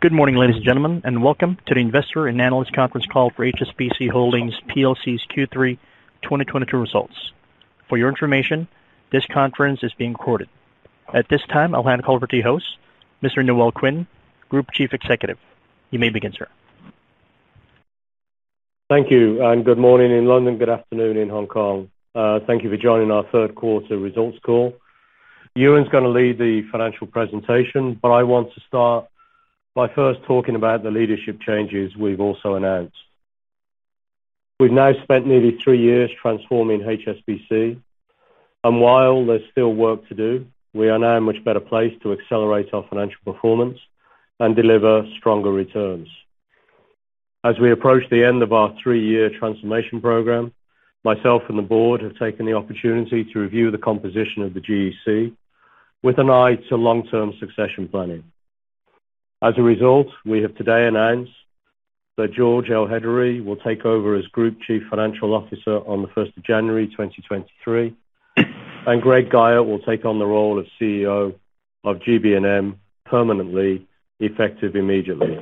Good morning, ladies and gentlemen, and welcome to the Investor and Analyst Conference Call for HSBC Holdings plc's Q3 2022 results. For your information, this conference is being recorded. At this time, I'll hand it over to your host, Mr. Noel Quinn, Group Chief Executive. You may begin, sir. Thank you, and good morning in London, good afternoon in Hong Kong. Thank you for joining our third quarter results call. Ewen's gonna lead the financial presentation, but I want to start by first talking about the leadership changes we've also announced. We've now spent nearly three years transforming HSBC, and while there's still work to do, we are now in much better place to accelerate our financial performance and deliver stronger returns. As we approach the end of our three-year transformation program, myself and the board have taken the opportunity to review the composition of the GEC with an eye to long-term succession planning. As a result, we have today announced that Georges Elhedery will take over as Group Chief Financial Officer on the first of January 2023, and Greg Guyett will take on the role of CEO of GB&M permanently effective immediately.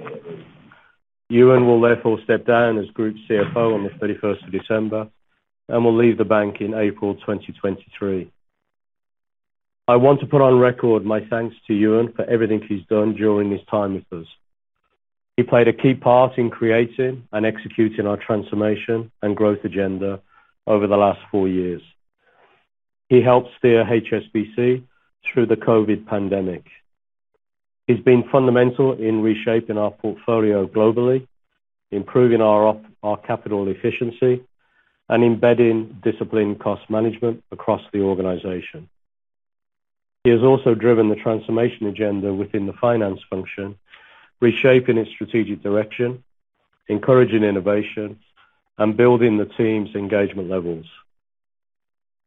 Ewen will therefore step down as Group CFO on the thirty-first of December and will leave the bank in April 2023. I want to put on record my thanks to Ewen for everything he's done during his time with us. He played a key part in creating and executing our transformation and growth agenda over the last four years. He helped steer HSBC through the COVID pandemic. He's been fundamental in reshaping our portfolio globally, improving our capital efficiency, and embedding disciplined cost management across the organization. He has also driven the transformation agenda within the finance function, reshaping its strategic direction, encouraging innovation, and building the team's engagement levels.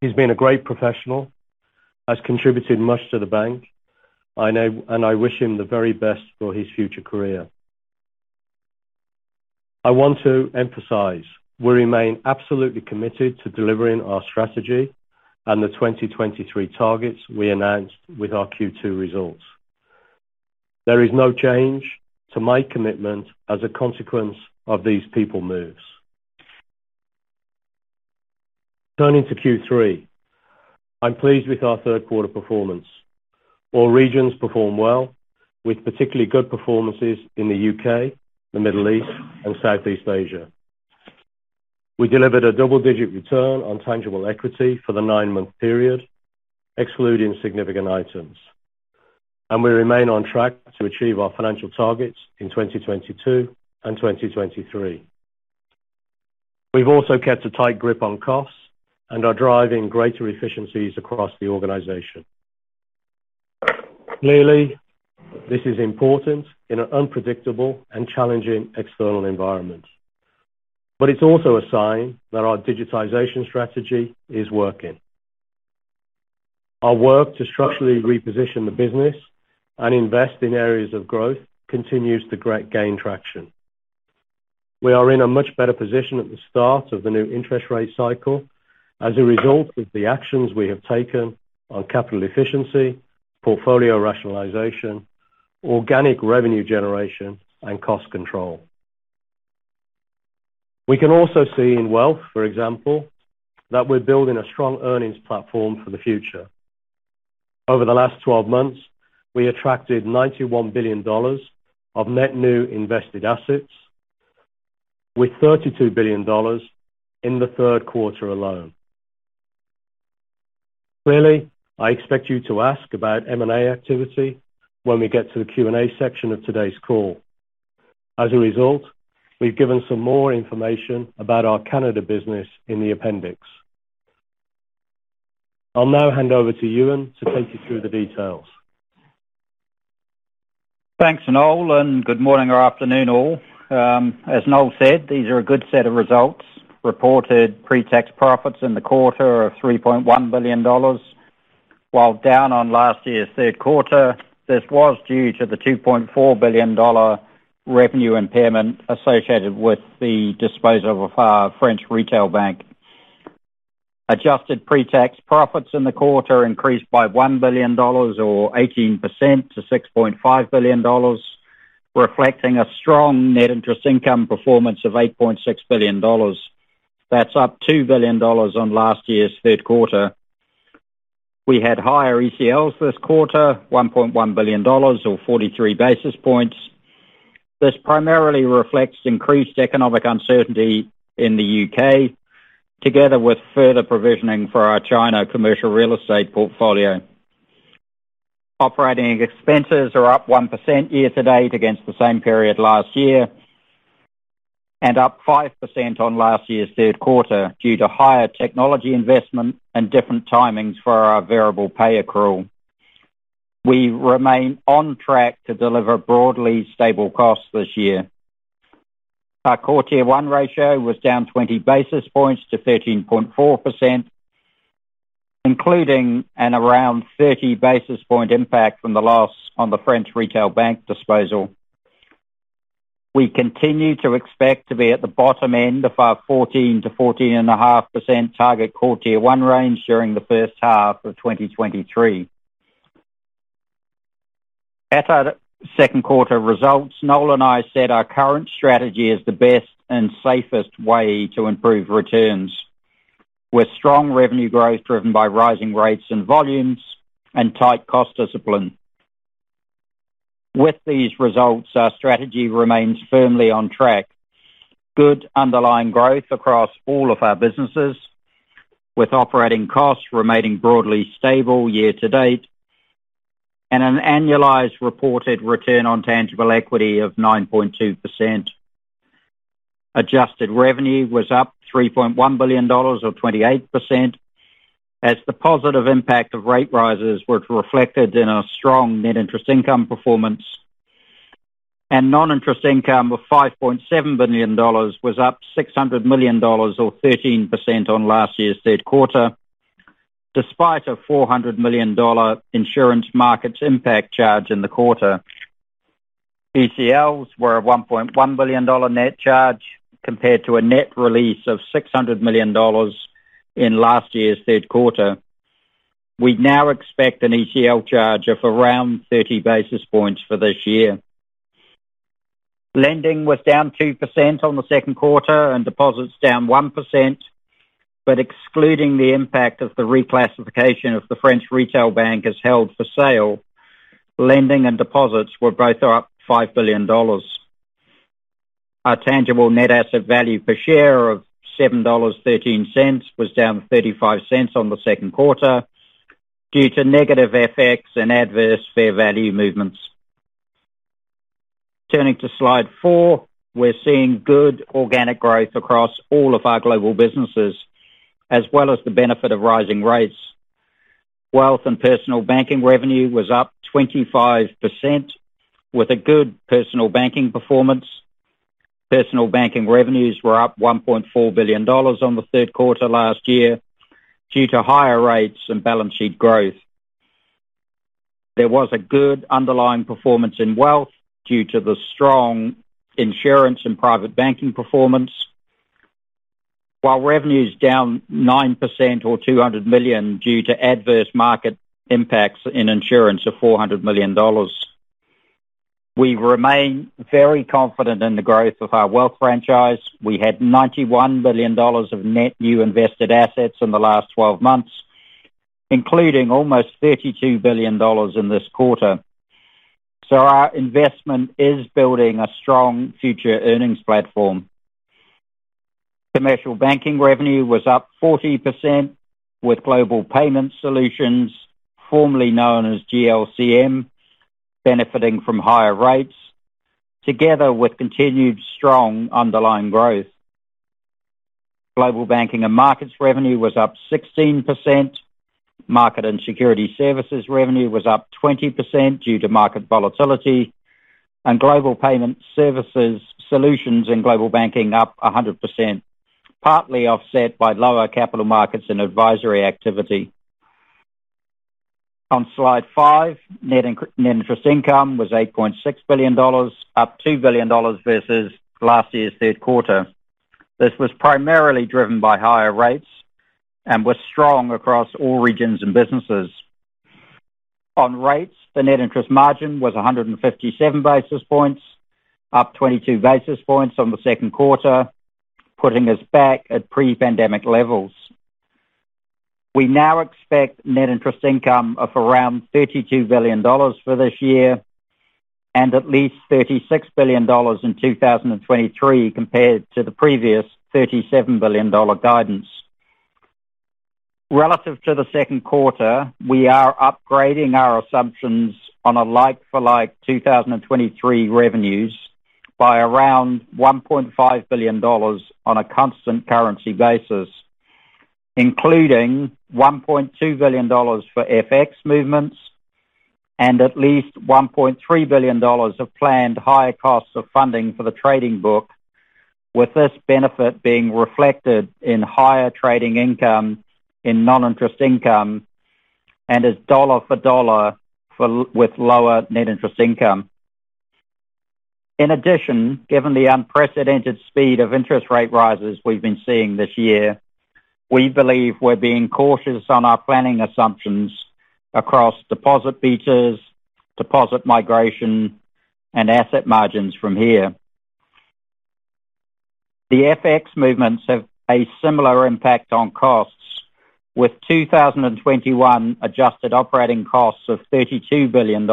He's been a great professional, has contributed much to the bank, and I wish him the very best for his future career. I want to emphasize, we remain absolutely committed to delivering our strategy and the 2023 targets we announced with our Q2 results. There is no change to my commitment as a consequence of these people moves. Turning to Q3, I'm pleased with our third quarter performance. All regions performed well, with particularly good performances in the UK, the Middle East, and Southeast Asia. We delivered a double-digit return on tangible equity for the nine-month period, excluding significant items. We remain on track to achieve our financial targets in 2022 and 2023. We've also kept a tight grip on costs and are driving greater efficiencies across the organization. Clearly, this is important in an unpredictable and challenging external environment. It's also a sign that our digitization strategy is working. Our work to structurally reposition the business and invest in areas of growth continues to gain traction. We are in a much better position at the start of the new interest rate cycle as a result of the actions we have taken on capital efficiency, portfolio rationalization, organic revenue generation, and cost control. We can also see in Wealth, for example, that we're building a strong earnings platform for the future. Over the last 12 months, we attracted $91 billion of net new invested assets with $32 billion in the third quarter alone. Clearly, I expect you to ask about M&A activity when we get to the Q&A section of today's call. As a result, we've given some more information about our Canada business in the appendix. I'll now hand over to Ewen to take you through the details. Thanks, Noel, and good morning or afternoon all. As Noel said, these are a good set of results. Reported pretax profits in the quarter of $3.1 billion. While down on last year's third quarter, this was due to the $2.4 billion revenue impairment associated with the disposal of our French retail bank. Adjusted pretax profits in the quarter increased by $1 billion or 18% to $6.5 billion, reflecting a strong net interest income performance of $8.6 billion. That's up $2 billion on last year's third quarter. We had higher ECLs this quarter, $1.1 billion or 43 basis points. This primarily reflects increased economic uncertainty in the UK, together with further provisioning for our China commercial real estate portfolio. Operating expenses are up 1% year-to-date against the same period last year, and up 5% on last year's third quarter due to higher technology investment and different timings for our variable pay accrual. We remain on track to deliver broadly stable costs this year. Our Core Tier 1 ratio was down 20 basis points to 13.4%, including an around 30 basis points impact from the loss on the French retail bank disposal. We continue to expect to be at the bottom end of our 14%-14.5% target Core Tier 1 range during the first half of 2023. At our second quarter results, Noel and I said our current strategy is the best and safest way to improve returns. With strong revenue growth driven by rising rates and volumes and tight cost discipline. With these results, our strategy remains firmly on track. Good underlying growth across all of our businesses, with operating costs remaining broadly stable year to date and an annualized reported return on tangible equity of 9.2%. Adjusted revenue was up $3.1 billion or 28% as the positive impact of rate rises were reflected in a strong net interest income performance and non-interest income of $5.7 billion was up $600 million or 13% on last year's third quarter, despite a $400 million insurance markets impact charge in the quarter. ECLs were a $1.1 billion net charge compared to a net release of $600 million in last year's third quarter. We now expect an ECL charge of around 30 basis points for this year. Lending was down 2% on the second quarter and deposits down 1%. Excluding the impact of the reclassification of the French retail bank as held for sale, lending and deposits were both up $5 billion. Our tangible net asset value per share of $7.13 was down $0.35 on the second quarter due to negative FX and adverse fair value movements. Turning to slide four. We're seeing good organic growth across all of our global businesses, as well as the benefit of rising rates. Wealth and Personal Banking revenue was up 25% with a good Personal Banking performance. Personal Banking revenues were up $1.4 billion on the third quarter last year due to higher rates and balance sheet growth. There was a good underlying performance in wealth due to the strong insurance and private banking performance. While revenue is down 9% or $200 million due to adverse market impacts in insurance of $400 million. We remain very confident in the growth of our wealth franchise. We had $91 billion of net new invested assets in the last twelve months, including almost $32 billion in this quarter. Our investment is building a strong future earnings platform. Commercial Banking revenue was up 40%, with Global Payment Solutions, formerly known as GLCM, benefiting from higher rates together with continued strong underlying growth. Global Banking and Markets revenue was up 16%. Markets and Securities Services revenue was up 20% due to market volatility and Global Payment Solutions in Global Banking up 100%, partly offset by lower capital markets and advisory activity. On slide five, net interest income was $8.6 billion, up $2 billion versus last year's third quarter. This was primarily driven by higher rates and was strong across all regions and businesses. On rates, the net interest margin was 157 basis points, up 22 basis points on the second quarter, putting us back at pre-pandemic levels. We now expect net interest income of around $32 billion for this year and at least $36 billion in 2023 compared to the previous $37 billion guidance. Relative to the second quarter, we are upgrading our assumptions on a like-for-like 2023 revenues by around $1.5 billion on a constant currency basis, including $1.2 billion for FX movements and at least $1.3 billion of planned higher costs of funding for the trading book. With this benefit being reflected in higher trading income in non-interest income and it's dollar-for-dollar offset with lower net interest income. In addition, given the unprecedented speed of interest rate rises we've been seeing this year, we believe we're being cautious on our planning assumptions across deposit betas, deposit migration and asset margins from here. The FX movements have a similar impact on costs, with 2021 adjusted operating costs of $32 billion,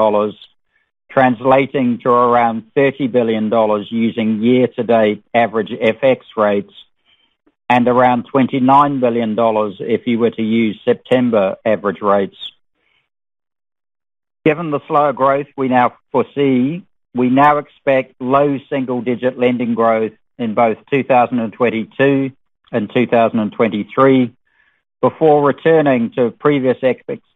translating to around $30 billion using year to date average FX rates and around $29 billion if you were to use September average rates. Given the slower growth we now foresee, we now expect low single-digit lending growth in both 2022 and 2023 before returning to previous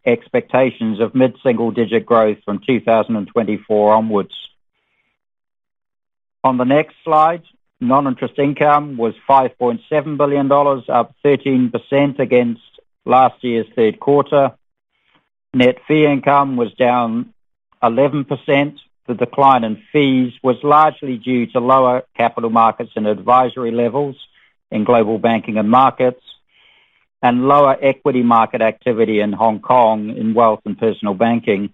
expectations of mid-single digit growth from 2024 onwards. On the next slide, non-interest income was $5.7 billion, up 13% against last year's third quarter. Net fee income was down 11%. The decline in fees was largely due to lower capital markets and advisory levels in Global Banking and Markets, and lower equity market activity in Hong Kong in Wealth and Personal Banking.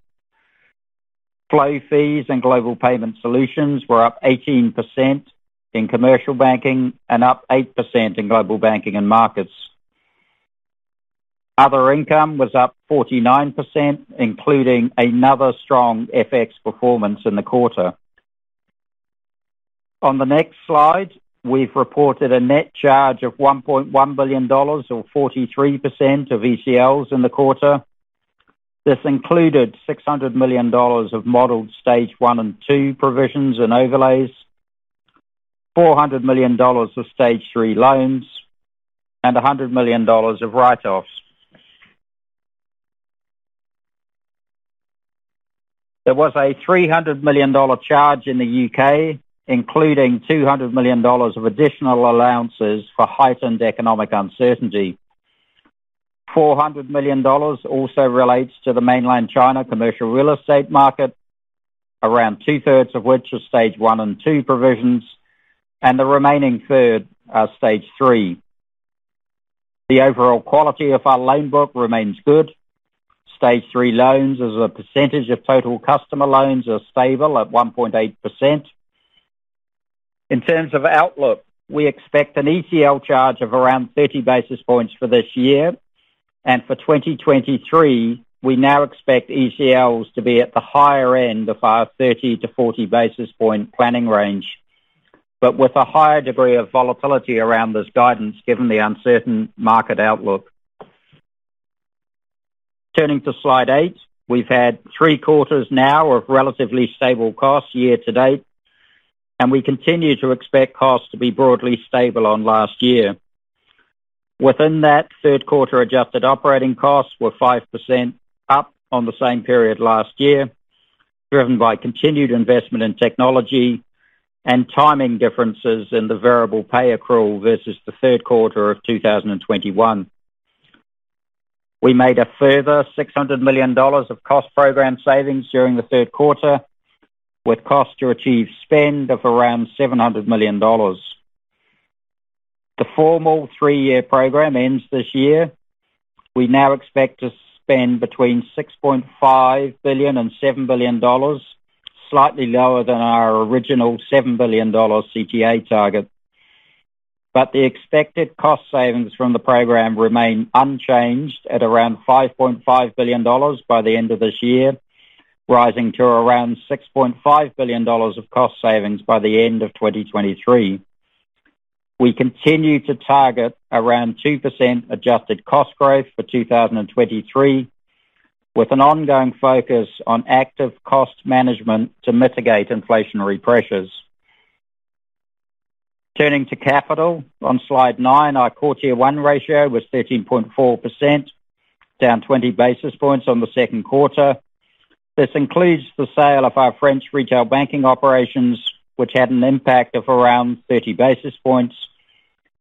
Flow fees and Global Payment Solutions were up 18% in Commercial Banking and up 8% in Global Banking and Markets. Other income was up 49%, including another strong FX performance in the quarter. On the next slide, we've reported a net charge of $1.1 billion or 43% of ECLs in the quarter. This included $600 million of modeled stage one and two provisions and overlays, $400 million of stage three loans, and $100 million of write-offs. There was a $300 million charge in the U.K., including $200 million of additional allowances for heightened economic uncertainty. $400 million also relates to the mainland China commercial real estate market, around two-thirds of which are stage one and two provisions, and the remaining third are stage three. The overall quality of our loan book remains good. Stage 3 loans as a percentage of total customer loans are stable at 1.8%. In terms of outlook, we expect an ECL charge of around 30 basis points for this year. For 2023, we now expect ECLs to be at the higher end of our 30-40 basis point planning range. With a higher degree of volatility around this guidance, given the uncertain market outlook. Turning to slide 8. We've had 3 quarters now of relatively stable costs year to date, and we continue to expect costs to be broadly stable on last year. Within that, third quarter adjusted operating costs were 5% up on the same period last year, driven by continued investment in technology and timing differences in the variable pay accrual versus the third quarter of 2021. We made a further $600 million of cost program savings during the third quarter, with cost to achieve spend of around $700 million. The formal three-year program ends this year. We now expect to spend between $6.5 billion and $7 billion, slightly lower than our original $7 billion CTA target. The expected cost savings from the program remain unchanged at around $5.5 billion by the end of this year, rising to around $6.5 billion of cost savings by the end of 2023. We continue to target around 2% adjusted cost growth for 2023, with an ongoing focus on active cost management to mitigate inflationary pressures. Turning to capital on slide nine, our quarter one ratio was 13.4%, down 20 basis points on the second quarter. This includes the sale of our French retail banking operations, which had an impact of around 30 basis points,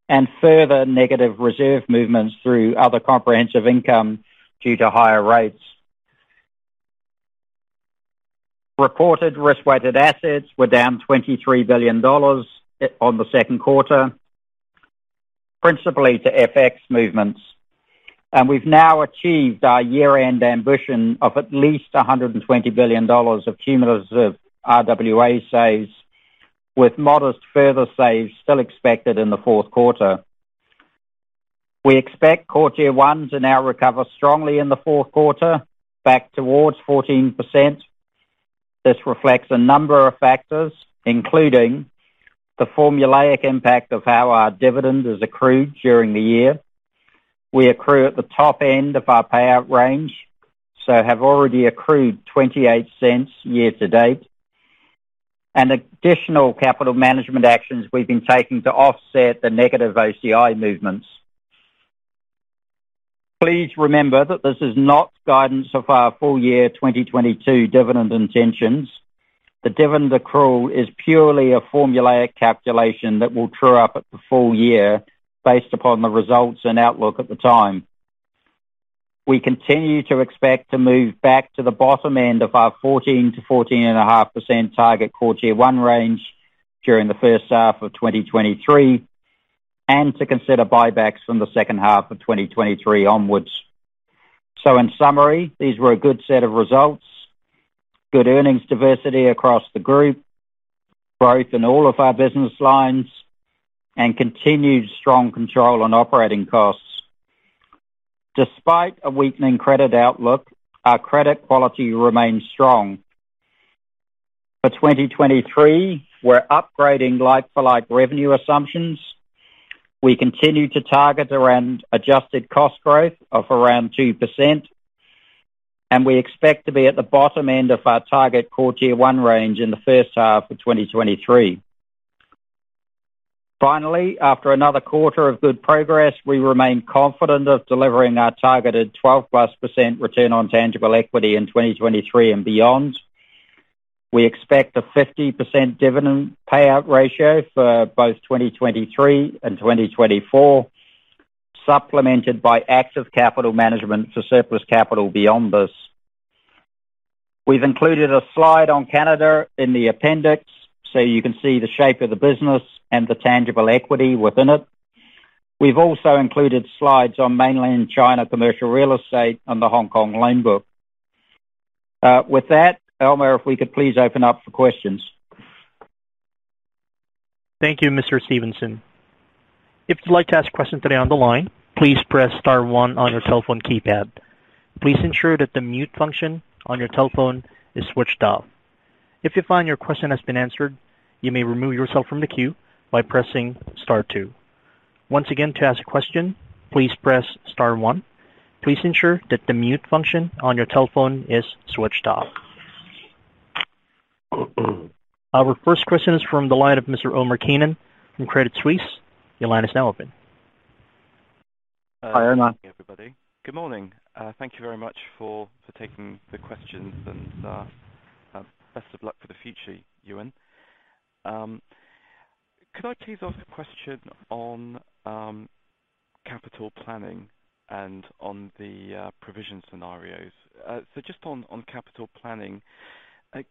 and further negative reserve movements through other comprehensive income due to higher rates. Reported risk-weighted assets were down $23 billion on the second quarter, principally to FX movements. We've now achieved our year-end ambition of at least $120 billion of cumulative RWA saves, with modest further saves still expected in the fourth quarter. We expect CET1 to now recover strongly in the fourth quarter, back towards 14%. This reflects a number of factors, including the formulaic impact of how our dividend is accrued during the year. We accrue at the top end of our payout range, so have already accrued $0.28 year to date and additional capital management actions we've been taking to offset the negative OCI movements. Please remember that this is not guidance of our full year 2022 dividend intentions. The dividend accrual is purely a formulaic calculation that will true up at the full year based upon the results and outlook at the time. We continue to expect to move back to the bottom end of our 14%-14.5% target quarter one range during the first half of 2023, and to consider buybacks from the second half of 2023 onwards. In summary, these were a good set of results, good earnings diversity across the group, growth in all of our business lines, and continued strong control on operating costs. Despite a weakening credit outlook, our credit quality remains strong. For 2023, we're upgrading like-for-like revenue assumptions. We continue to target around adjusted cost growth of around 2%, and we expect to be at the bottom end of our target quarter one range in the first half of 2023. Finally, after another quarter of good progress, we remain confident of delivering our targeted 12%+ return on tangible equity in 2023 and beyond. We expect a 50% dividend payout ratio for both 2023 and 2024, supplemented by active capital management for surplus capital beyond this. We've included a slide on Canada in the appendix, so you can see the shape of the business and the tangible equity within it. We've also included slides on Mainland China commercial real estate and the Hong Kong loan book. With that, Operator, if we could please open up for questions. Thank you, Mr. Stevenson. If you'd like to ask questions today on the line, please press star one on your telephone keypad. Please ensure that the mute function on your telephone is switched off. If you find your question has been answered, you may remove yourself from the queue by pressing star two. Once again, to ask a question, please press star one. Please ensure that the mute function on your telephone is switched off. Our first question is from the line of Mr. Omar Keenan from Credit Suisse. Your line is now open. Hi, everybody. Good morning. Thank you very much for taking the questions and best of luck for the future, Ewen. Could I please ask a question on capital planning and on the provision scenarios? So just on capital planning,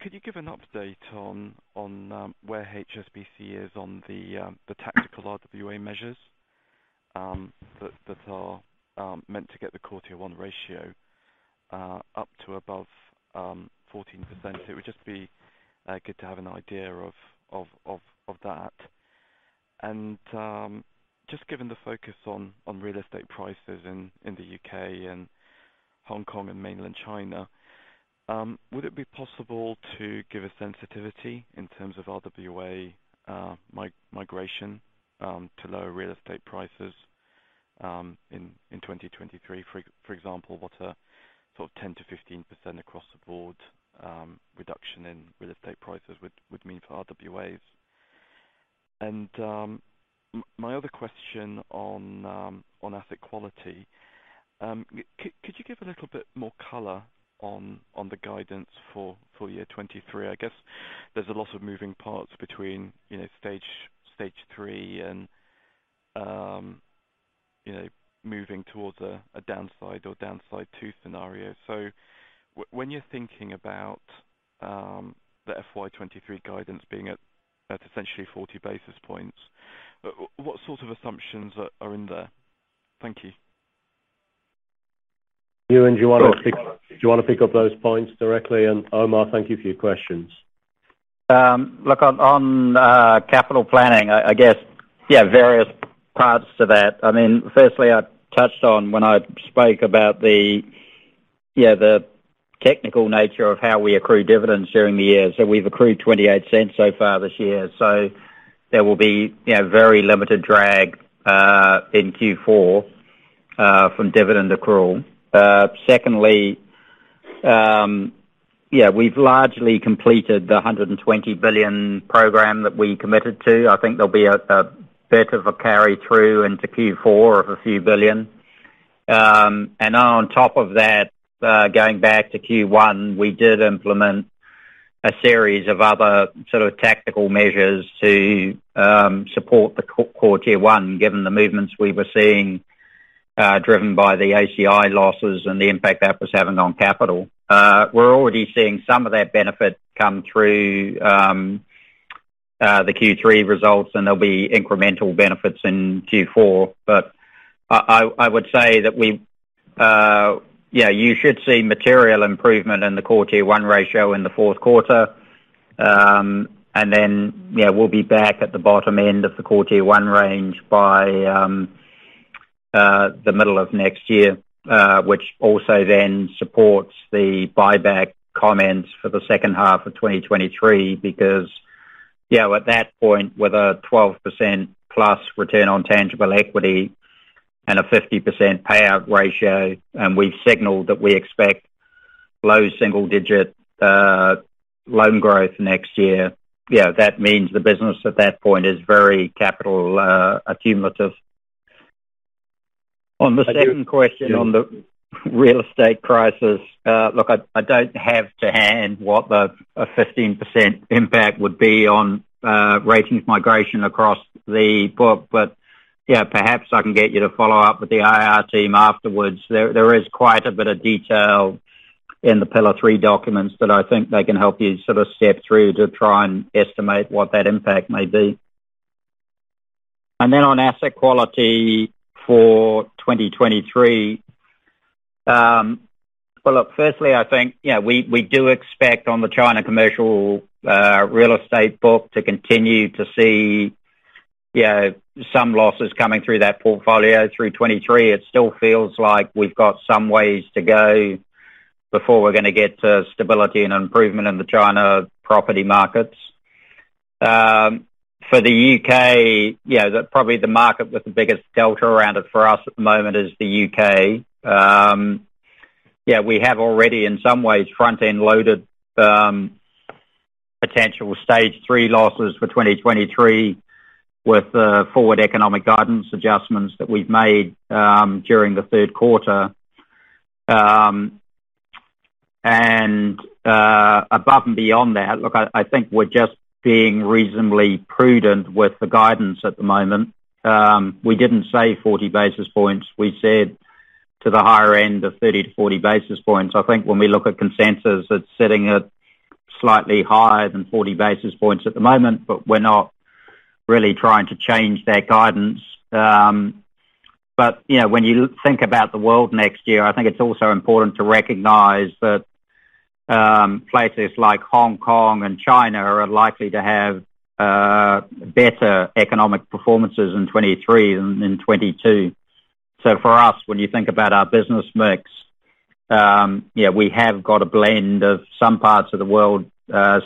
could you give an update on where HSBC is on the tactical RWA measures that are meant to get the quarter one ratio up to above 14%. It would just be good to have an idea of that. Just given the focus on real estate prices in the UK and Hong Kong and mainland China, would it be possible to give a sensitivity in terms of RWA migration to lower real estate prices in 2023? For example, what a sort of 10%-15% across-the-board reduction in real estate prices would mean for RWAs. My other question on asset quality. Could you give a little bit more color on the guidance for full year 2023? I guess there's a lot of moving parts between, you know, stage three and, you know, moving towards a downside or downside two scenario. So when you're thinking about the FY 2023 guidance being at essentially 40 basis points, what sorts of assumptions are in there? Thank you. Ewen, do you wanna pick up those points directly? Omar, thank you for your questions. Look on capital planning, I guess, yeah, various parts to that. I mean, firstly, I touched on when I spoke about the technical nature of how we accrue dividends during the year. We've accrued $0.28 so far this year. There will be, you know, very limited drag in Q4 from dividend accrual. Secondly, we've largely completed the $120 billion program that we committed to. I think there'll be a bit of a carry-through into Q4 of a few billion. On top of that, going back to Q1, we did implement a series of other sort of tactical measures to support the Core Tier 1, given the movements we were seeing, driven by the OCI losses and the impact that was having on capital. We're already seeing some of that benefit come through the Q3 results, and there'll be incremental benefits in Q4. I would say that you should see material improvement in the Core Tier 1 ratio in the fourth quarter. You know, we'll be back at the bottom end of the Core Tier 1 range by the middle of next year, which also then supports the buyback comments for the second half of 2023. Because, you know, at that point, with a 12%+ return on tangible equity and a 50% payout ratio, and we've signaled that we expect low single-digit loan growth next year. That means the business at that point is very capital accumulative. On the second question on the real estate crisis. Look, I don't have offhand what the 15% impact would be on ratings migration across the book. Yeah, perhaps I can get you to follow up with the IR team afterwards. There is quite a bit of detail in the Pillar 3 documents that I think they can help you sort of step through to try and estimate what that impact may be. On asset quality for 2023. Well, look, firstly, I think, you know, we do expect on the China commercial real estate book to continue to see, you know, some losses coming through that portfolio through 2023. It still feels like we've got some ways to go before we're gonna get to stability and improvement in the China property markets. For the UK, probably the market with the biggest delta around it for us at the moment is the UK. We have already in some ways front-end loaded potential stage three losses for 2023 with the forward economic guidance adjustments that we've made during the third quarter. Above and beyond that, look, I think we're just being reasonably prudent with the guidance at the moment. We didn't say 40 basis points. We said to the higher end of 30-40 basis points. I think when we look at consensus, it's sitting at slightly higher than 40 basis points at the moment, but we're not really trying to change that guidance. You know, when you think about the world next year, I think it's also important to recognize that places like Hong Kong and China are likely to have better economic performances in 2023 than in 2022. For us, when you think about our business mix, yeah, we have got a blend of some parts of the world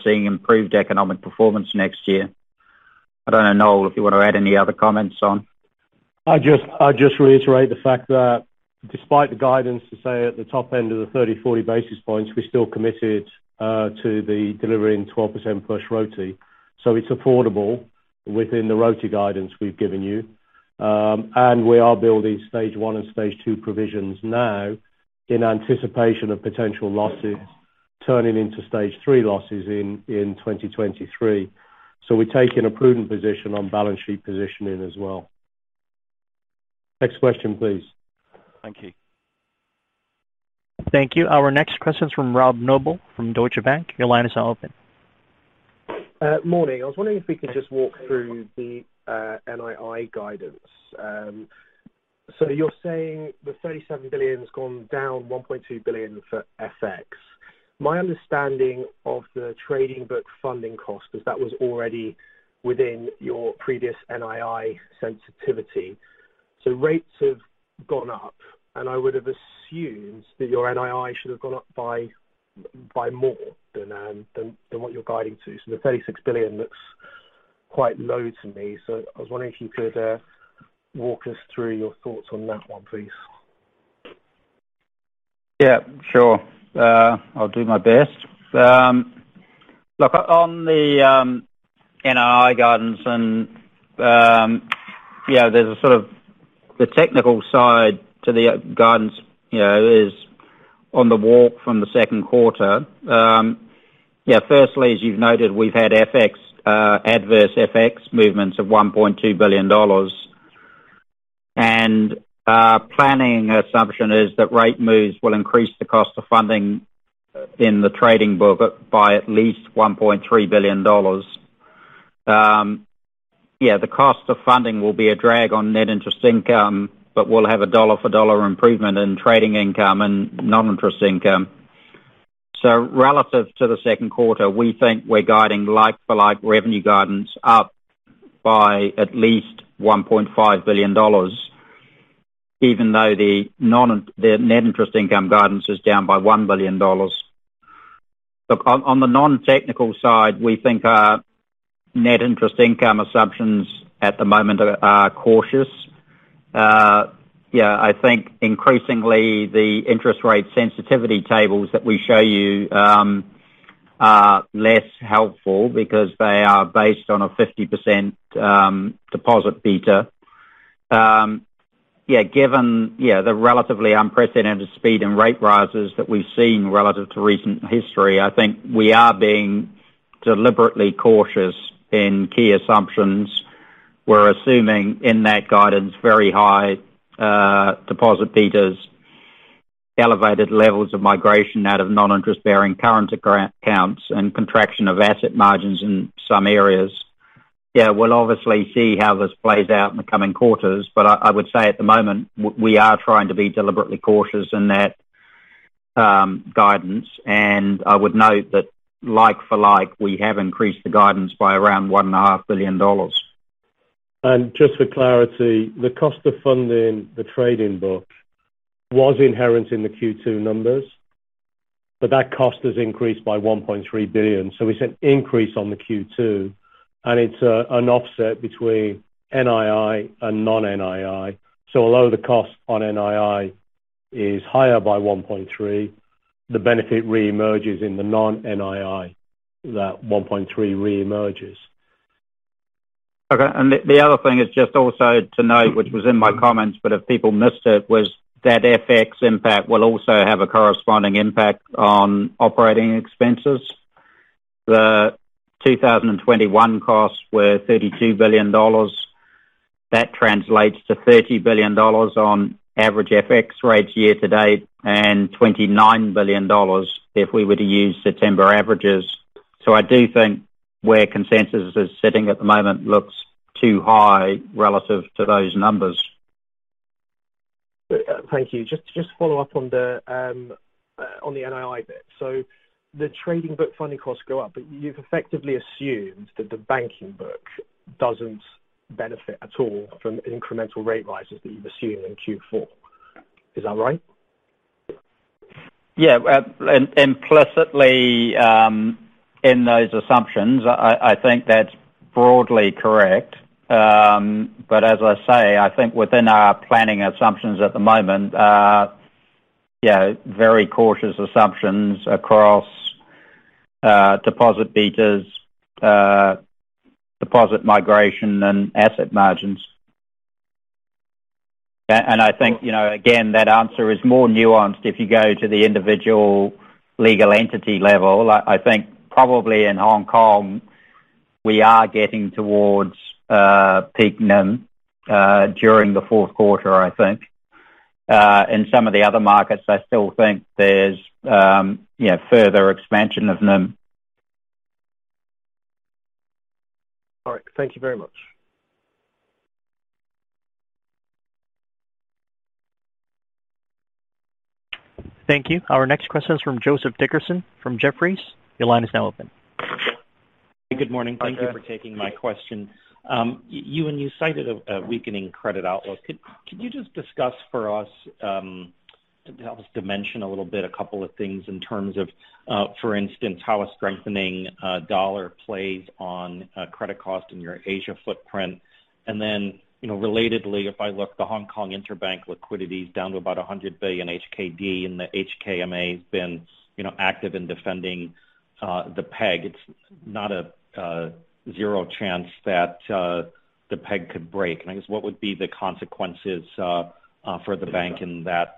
seeing improved economic performance next year. I don't know, Noel, if you want to add any other comments on. I just reiterate the fact that despite the guidance to say at the top end of the 30-40 basis points, we're still committed to the delivering 12%+ ROTE. It's affordable within the ROTE guidance we've given you. We are building stage one and stage two provisions now in anticipation of potential losses turning into stage three losses in 2023. We're taking a prudent position on balance sheet positioning as well. Next question, please. Thank you. Thank you. Our next question is from Robert Noble from Deutsche Bank. Your line is now open. Morning. I was wondering if we could just walk through the NII guidance. You're saying the $37 billion has gone down $1.2 billion for FX. My understanding of the trading book funding cost is that was already within your previous NII sensitivity. Rates have gone up, and I would have assumed that your NII should have gone up by more than what you're guiding to. The $36 billion looks quite low to me. I was wondering if you could walk us through your thoughts on that one, please. Yeah, sure. I'll do my best. Look, on the NII guidance and, there's a sort of the technical side to the guidance, you know, is on the walk from the second quarter. Firstly, as you've noted, we've had FX adverse FX movements of $1.2 billion. Our planning assumption is that rate moves will increase the cost of funding in the trading book by at least $1.3 billion. The cost of funding will be a drag on net interest income, but we'll have a dollar for dollar improvement in trading income and non-interest income. Relative to the second quarter, we think we're guiding like-for-like revenue guidance up by at least $1.5 billion, even though the net interest income guidance is down by $1 billion. Look, on the non-technical side, we think our net interest income assumptions at the moment are cautious. Yeah, I think increasingly the interest rate sensitivity tables that we show you are less helpful because they are based on a 50% deposit beta. Given the relatively unprecedented speed and rate rises that we've seen relative to recent history, I think we are being deliberately cautious in key assumptions. We're assuming in that guidance, very high deposit betas, elevated levels of migration out of non-interest-bearing current accounts and contraction of asset margins in some areas. We'll obviously see how this plays out in the coming quarters, but I would say at the moment, we are trying to be deliberately cautious in that guidance. I would note that like for like, we have increased the guidance by around $1.5 billion. Just for clarity, the cost of funding the trading book was inherent in the Q2 numbers, but that cost has increased by $1.3 billion. It's an increase on the Q2, and it's an offset between NII and non-NII. Although the cost on NII is higher by $1.3 billion, the benefit reemerges in the non-NII. That $1.3 billion reemerges. Okay. The other thing is just also to note, which was in my comments, but if people missed it, was that FX impact will also have a corresponding impact on operating expenses. The 2021 costs were $32 billion. That translates to $30 billion on average FX rates year to date, and $29 billion if we were to use September averages. I do think where consensus is sitting at the moment looks too high relative to those numbers. Thank you. Just to follow up on the NII bit. The trading book funding costs go up, but you've effectively assumed that the banking book doesn't benefit at all from incremental rate rises that you've assumed in Q4. Is that right? Yeah. Implicitly, in those assumptions, I think that's broadly correct. As I say, I think within our planning assumptions at the moment are yeah very cautious assumptions across deposit betas, deposit migration and asset margins. I think, you know, again, that answer is more nuanced if you go to the individual legal entity level. I think probably in Hong Kong, we are getting towards peak NIM during the fourth quarter, I think. In some of the other markets, I still think there's you know further expansion of NIM. All right. Thank you very much. Thank you. Our next question is from Joseph Dickerson from Jefferies. Your line is now open. Good morning. Hi, Joe. Thank you for taking my question. Ewen, you cited a weakening credit outlook. Could you just discuss for us to help us dimension a little bit a couple of things in terms of, for instance, how a strengthening dollar plays on credit cost in your Asia footprint? You know, relatedly, if I look at the Hong Kong interbank liquidity is down to about 100 billion HKD, and the HKMA has been, you know, active in defending the peg. It's not a zero chance that the peg could break. I guess, what would be the consequences for the bank in that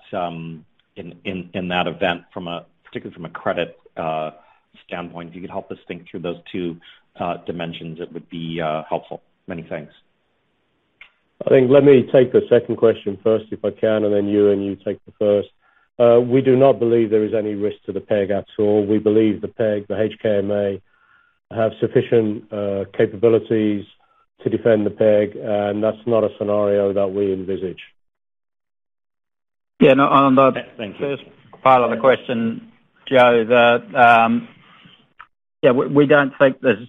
event from a, particularly from a credit standpoint? If you could help us think through those two dimensions, it would be helpful. Many thanks. I think let me take the second question first, if I can, and then Ewen, you take the first. We do not believe there is any risk to the peg at all. We believe the peg, the HKMA have sufficient capabilities to defend the peg, and that's not a scenario that we envisage. Yeah. No, on the Thank you. First part of the question, Joe. Yeah. We don't think there's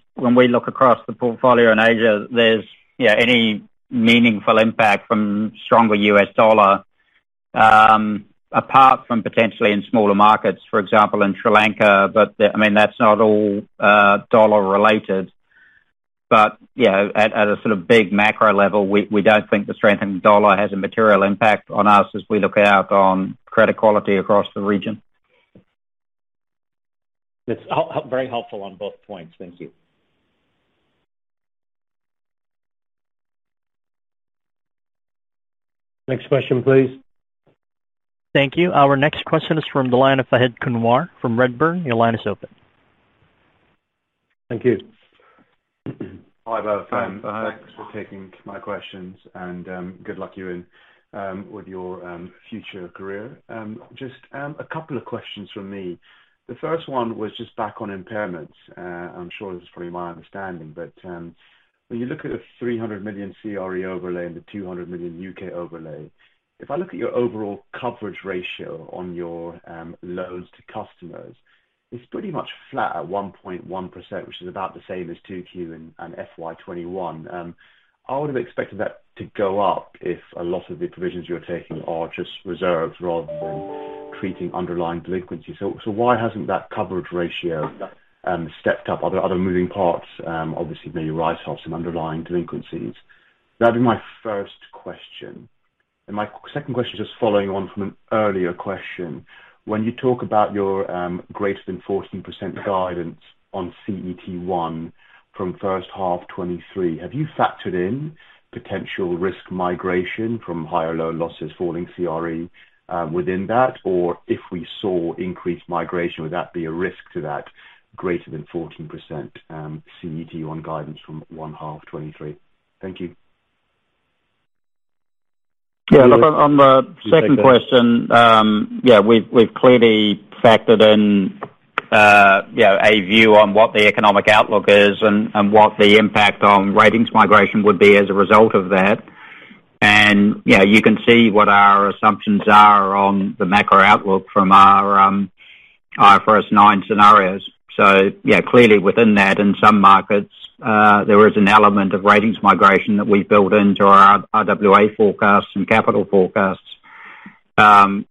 any meaningful impact from stronger US dollar apart from potentially in smaller markets, for example, in Sri Lanka. I mean, that's not all dollar-related. You know, at a sort of big macro level, we don't think the strengthening dollar has a material impact on us as we look out on credit quality across the region. It's very helpful on both points. Thank you. Next question, please. Thank you. Our next question is from the line of Fahed Kunwar from Redburn. Your line is open. Thank you. Hi, both. Thanks for taking my questions, and good luck, Ewen, with your future career. Just a couple of questions from me. The first one was just back on impairments. I'm sure this is probably my understanding, but when you look at a $300 million CRE overlay and the $200 million UK overlay, if I look at your overall coverage ratio on your loans to customers, it's pretty much flat at 1.1%, which is about the same as 2Q and FY 2021. I would have expected that to go up if a lot of the provisions you're taking are just reserves rather than treating underlying delinquency. So why hasn't that coverage ratio stepped up? Are there other moving parts, obviously maybe write off some underlying delinquencies? That'd be my first question. My second question, just following on from an earlier question. When you talk about your greater than 14% guidance on CET1 from first half 2023, have you factored in potential risk migration from higher loan losses falling CRE within that? Or if we saw increased migration, would that be a risk to that greater than 14% CET1 guidance from first half 2023? Thank you. Yeah. Look, on the second question, yeah, we've clearly factored in, you know, a view on what the economic outlook is and what the impact on ratings migration would be as a result of that. Yeah, you can see what our assumptions are on the macro outlook from our first nine scenarios. Clearly within that, in some markets, there is an element of ratings migration that we've built into our RWA forecasts and capital forecasts. On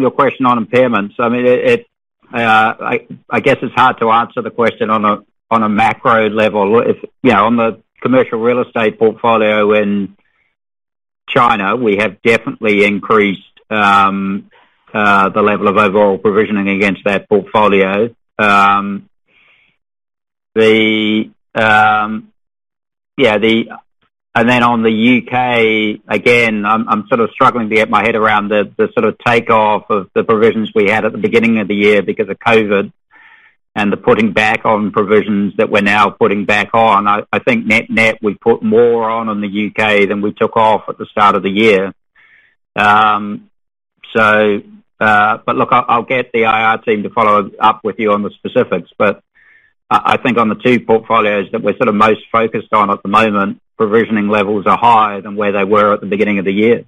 your question on impairments, I mean, I guess it's hard to answer the question on a macro level. You know, on the commercial real estate portfolio in China, we have definitely increased the level of overall provisioning against that portfolio. Then on the UK, again, I'm sort of struggling to get my head around the sort of takeoff of the provisions we had at the beginning of the year because of COVID and the putting back on provisions that we're now putting back on. I think net-net, we put more on in the UK than we took off at the start of the year. Look, I'll get the IR team to follow up with you on the specifics. I think on the two portfolios that we're sort of most focused on at the moment, provisioning levels are higher than where they were at the beginning of the year.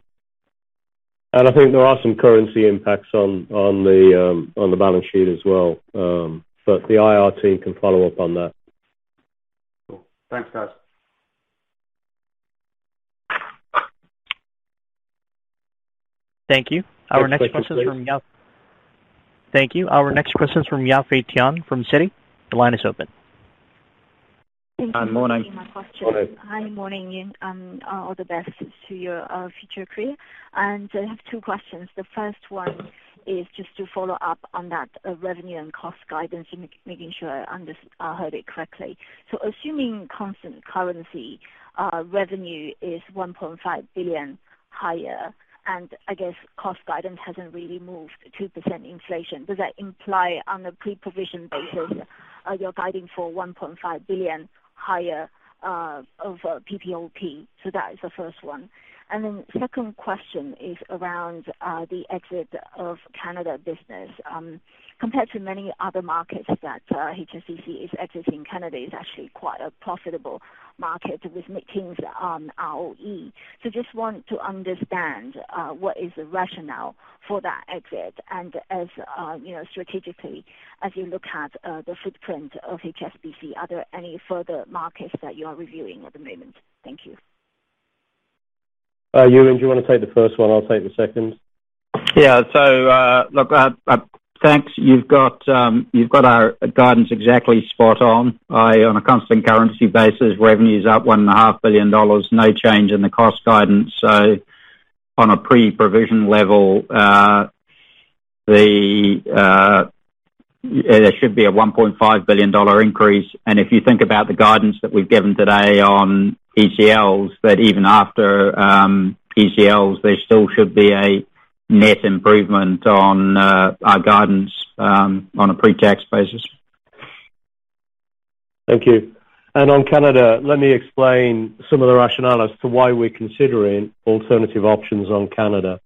I think there are some currency impacts on the balance sheet as well. The IR team can follow up on that. Cool. Thanks, guys. Thank you. Our next question is from Yafei Tian. Next question, please. Thank you. Our next question is from Yafei Tian from Citi. Your line is open. Thank you for taking my question. Hi, morning, and all the best to your future career. I have two questions. The first one is just to follow up on that, revenue and cost guidance and making sure I heard it correctly. Assuming constant currency, revenue is $1.5 billion higher, and I guess cost guidance hasn't really moved 2% inflation. Does that imply on a pre-provision basis, you're guiding for $1.5 billion higher of PPOP? That is the first one. Second question is around the exit of Canada business. Compared to many other markets that HSBC is exiting, Canada is actually quite a profitable market with good things on ROE. Just want to understand what is the rationale for that exit and as you know, strategically as you look at the footprint of HSBC, are there any further markets that you are reviewing at the moment? Thank you. Euan, do you wanna take the first one? I'll take the second. Yeah. Look, thanks. You've got our guidance exactly spot on. On a constant currency basis, revenue is up $1.5 billion, no change in the cost guidance. On a pre-provision level, there should be a $1.5 billion increase. If you think about the guidance that we've given today on ECLs, that even after ECLs, there still should be a net improvement on our guidance on a pre-tax basis. Thank you. On Canada, let me explain some of the rationale as to why we're considering alternative options on Canada.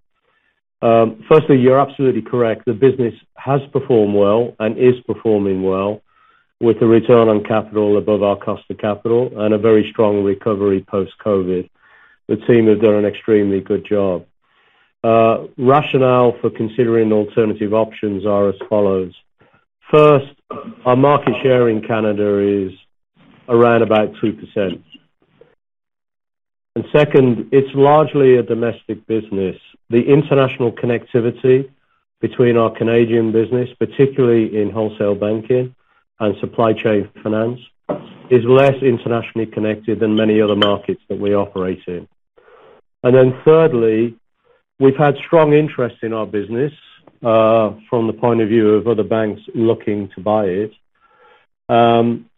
Firstly, you're absolutely correct. The business has performed well and is performing well with the return on capital above our cost of capital and a very strong recovery post-COVID. The team has done an extremely good job. Rationale for considering alternative options are as follows. First, our market share in Canada is around about 2%. Second, it's largely a domestic business. The international connectivity between our Canadian business, particularly in wholesale banking and supply chain finance, is less internationally connected than many other markets that we operate in. Thirdly, we've had strong interest in our business, from the point of view of other banks looking to buy it.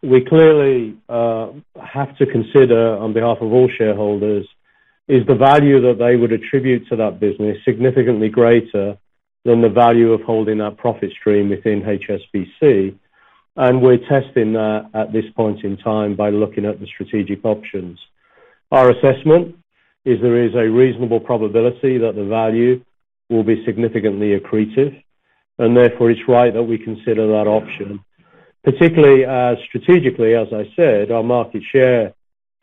We clearly have to consider on behalf of all shareholders, is the value that they would attribute to that business significantly greater than the value of holding our profit stream within HSBC? We're testing that at this point in time by looking at the strategic options. Our assessment is there is a reasonable probability that the value will be significantly accretive, and therefore it's right that we consider that option. Particularly, strategically, as I said, our market share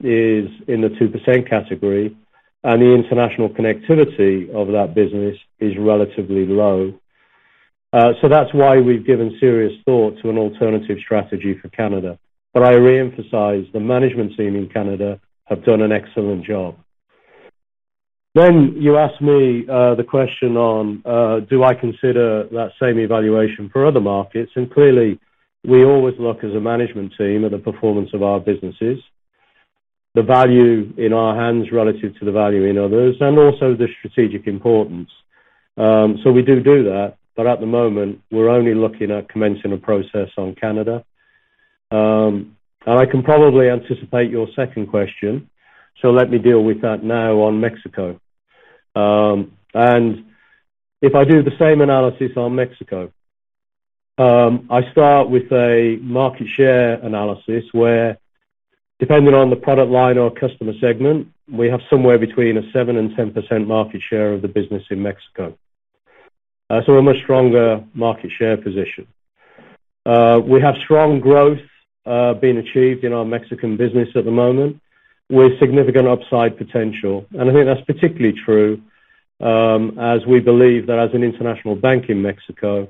is in the 2% category, and the international connectivity of that business is relatively low. So that's why we've given serious thought to an alternative strategy for Canada. But I reemphasize, the management team in Canada have done an excellent job. You asked me the question on, do I consider that same evaluation for other markets? Clearly, we always look as a management team at the performance of our businesses. The value in our hands relative to the value in others, and also the strategic importance. We do that. At the moment, we're only looking at commencing a process on Canada. I can probably anticipate your second question. Let me deal with that now on Mexico. If I do the same analysis on Mexico, I start with a market share analysis where depending on the product line or customer segment, we have somewhere between 7%-10% market share of the business in Mexico. A much stronger market share position. We have strong growth being achieved in our Mexican business at the moment with significant upside potential. I think that's particularly true, as we believe that as an international bank in Mexico,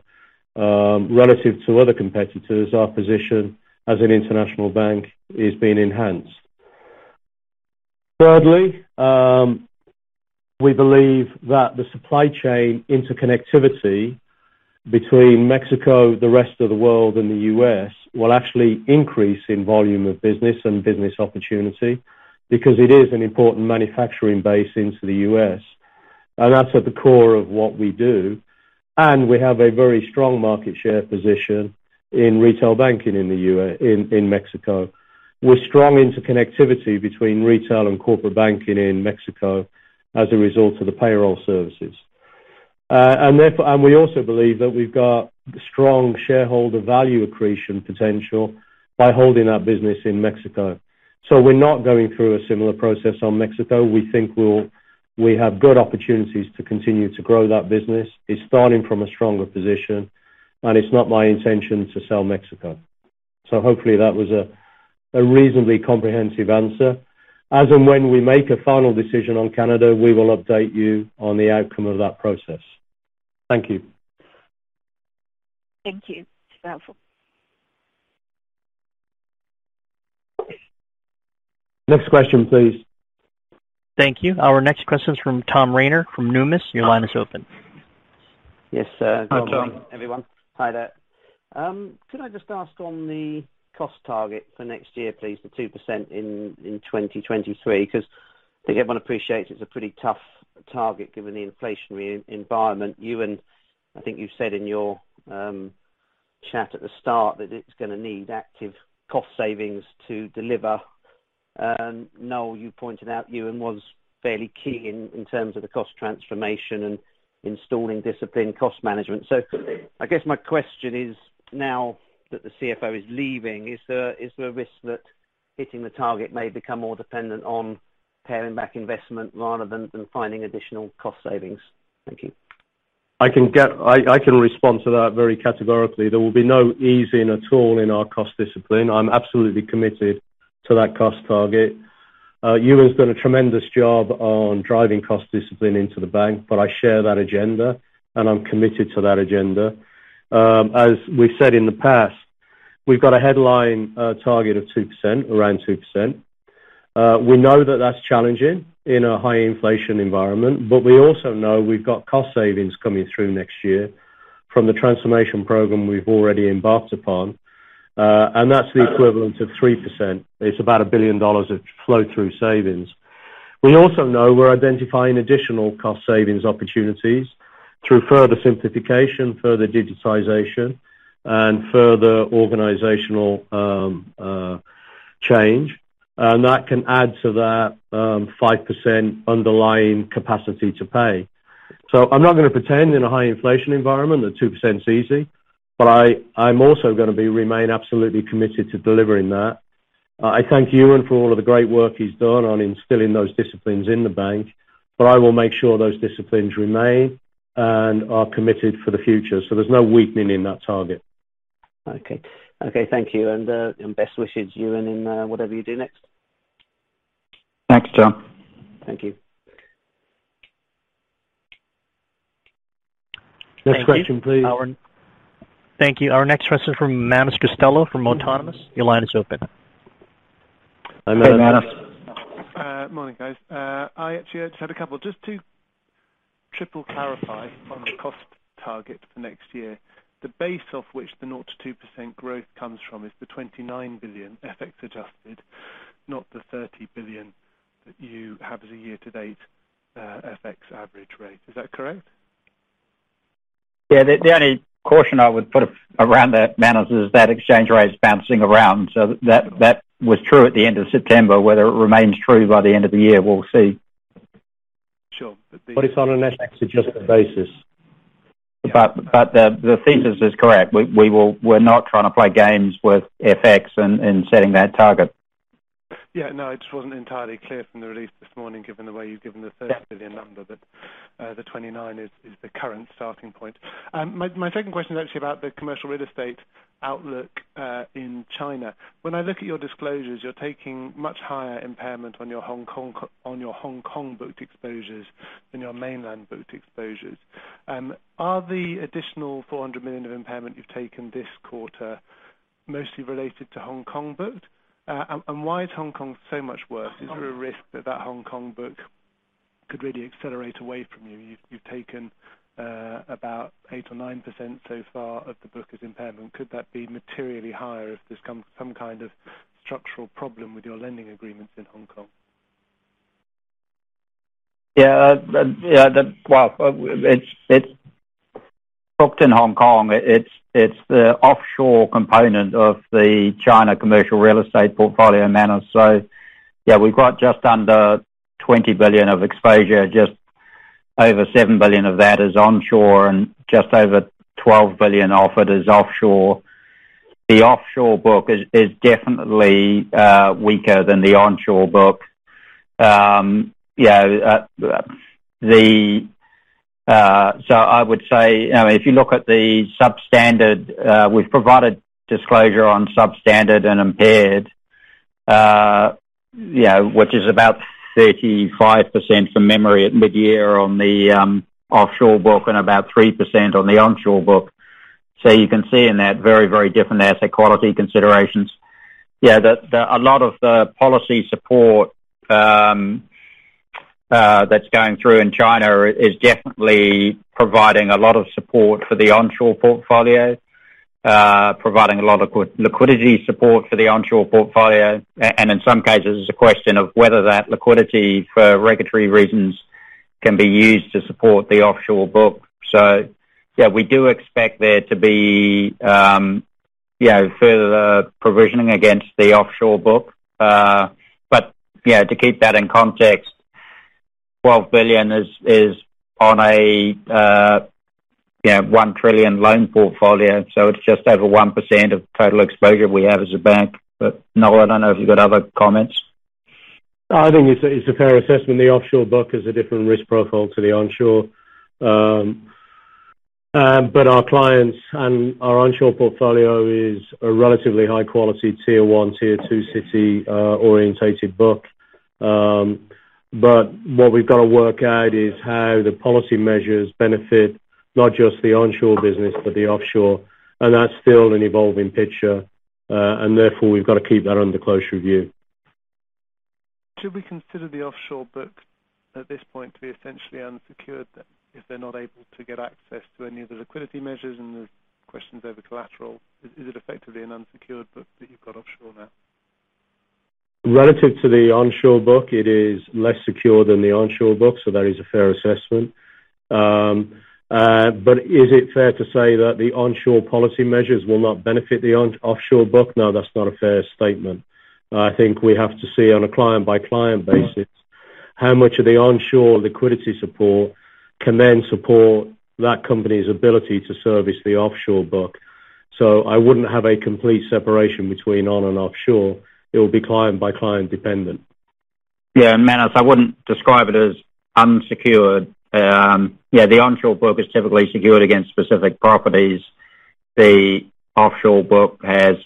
relative to other competitors, our position as an international bank is being enhanced. Thirdly, we believe that the supply chain interconnectivity between Mexico, the rest of the world and the U.S., will actually increase in volume of business and business opportunity because it is an important manufacturing base into the U.S., and that's at the core of what we do. We have a very strong market share position in retail banking in Mexico, with strong interconnectivity between retail and corporate banking in Mexico as a result of the payroll services. We also believe that we've got strong shareholder value accretion potential by holding our business in Mexico. We're not going through a similar process on Mexico. We think we have good opportunities to continue to grow that business. It's starting from a stronger position, and it's not my intention to sell Mexico. Hopefully that was a reasonably comprehensive answer. As and when we make a final decision on Canada, we will update you on the outcome of that process. Thank you. Thank you. It's helpful. Next question, please. Thank you. Our next question is from Tom Rayner from Numis. Your line is open. Yes, sir. Hi, Tom. Everyone. Hi there. Could I just ask on the cost target for next year, please, the 2% in 2023, because I think everyone appreciates it's a pretty tough target given the inflationary environment. Ewen, I think you said in your chat at the start that it's gonna need active cost savings to deliver. Noel, you pointed out Ewen was fairly key in terms of the cost transformation and installing disciplined cost management. I guess my question is, now that the CFO is leaving, is there a risk that hitting the target may become more dependent on paring back investment rather than finding additional cost savings? Thank you. I can respond to that very categorically. There will be no easing at all in our cost discipline. I'm absolutely committed to that cost target. Ewen's done a tremendous job on driving cost discipline into the bank, but I share that agenda, and I'm committed to that agenda. As we've said in the past, we've got a headline target of 2%, around 2%. We know that that's challenging in a high inflation environment, but we also know we've got cost savings coming through next year from the transformation program we've already embarked upon. That's the equivalent of 3%. It's about $1 billion of flow-through savings. We also know we're identifying additional cost savings opportunities through further simplification, further digitization, and further organizational change. That can add to that, 5% underlying capacity to pay. I'm not gonna pretend in a high inflation environment that 2%'s easy, but I'm also gonna remain absolutely committed to delivering that. I thank Ewen for all of the great work he's done on instilling those disciplines in the bank, but I will make sure those disciplines remain and are committed for the future. There's no weakening in that target. Okay, thank you. Best wishes, Ewen, in whatever you do next. Thanks, John. Thank you. Next question, please. Thank you. Our next question from Manus Costello from Autonomous. Your line is open. Hi, Manus. Hey, Manus. Morning, guys. I actually had a couple. Just to triple clarify on the cost target for next year, the base off which the 0%-2% growth comes from is the $29 billion FX adjusted, not the $30 billion that you have as a year-to-date, FX average rate. Is that correct? Yeah. The only caution I would put around that, Manus, is that exchange rate is bouncing around, so that was true at the end of September. Whether it remains true by the end of the year, we'll see. Sure. It's on an FX adjusted basis. The thesis is correct. We're not trying to play games with FX in setting that target. Yeah. No, it just wasn't entirely clear from the release this morning, given the way you've given the $30 billion number, but the $29 is the current starting point. My second question is actually about the commercial real estate outlook in China. When I look at your disclosures, you're taking much higher impairment on your Hong Kong booked exposures than your mainland booked exposures. Are the additional $400 million of impairment you've taken this quarter mostly related to Hong Kong booked? And why is Hong Kong so much worse? Is there a risk that Hong Kong book could really accelerate away from you? You've taken about 8% or 9% so far of the book as impairment. Could that be materially higher if there's some kind of structural problem with your lending agreements in Hong Kong? Yeah, it's booked in Hong Kong. It's the offshore component of the China commercial real estate portfolio, Manus. Yeah, we've got just under $20 billion of exposure. Just over $7 billion of that is onshore and just over $12 billion of it is offshore. The offshore book is definitely weaker than the onshore book. You know, I would say, you know, if you look at the substandard, we've provided disclosure on substandard and impaired, you know, which is about 35% from memory at mid-year on the offshore book and about 3% on the onshore book. You can see in that very, very different asset quality considerations. Yeah. A lot of the policy support that's going through in China is definitely providing a lot of support for the onshore portfolio, providing a lot of liquidity support for the onshore portfolio. In some cases, it's a question of whether that liquidity for regulatory reasons can be used to support the offshore book. Yeah, we do expect there to be, you know, further provisioning against the offshore book. To keep that in context, $12 billion is on a $1 trillion loan portfolio, so it's just over 1% of total exposure we have as a bank. Noel, I don't know if you've got other comments. I think it's a fair assessment. The offshore book is a different risk profile to the onshore. Our clients and our onshore portfolio is a relatively high quality Tier 1, Tier 2 city oriented book. What we've got to work out is how the policy measures benefit not just the onshore business but the offshore, and that's still an evolving picture. Therefore, we've got to keep that under close review. Should we consider the offshore book at this point to be essentially unsecured then if they're not able to get access to any of the liquidity measures and the questions over collateral? Is it effectively an unsecured book that you've got offshore now? Relative to the onshore book, it is less secure than the onshore book, so that is a fair assessment. Is it fair to say that the onshore policy measures will not benefit the offshore book? No, that's not a fair statement. I think we have to see on a client-by-client basis how much of the onshore liquidity support can then support that company's ability to service the offshore book. I wouldn't have a complete separation between onshore and offshore. It will be client-by-client dependent. Yeah, Manus, I wouldn't describe it as unsecured. Yeah, the onshore book is typically secured against specific properties. The offshore book has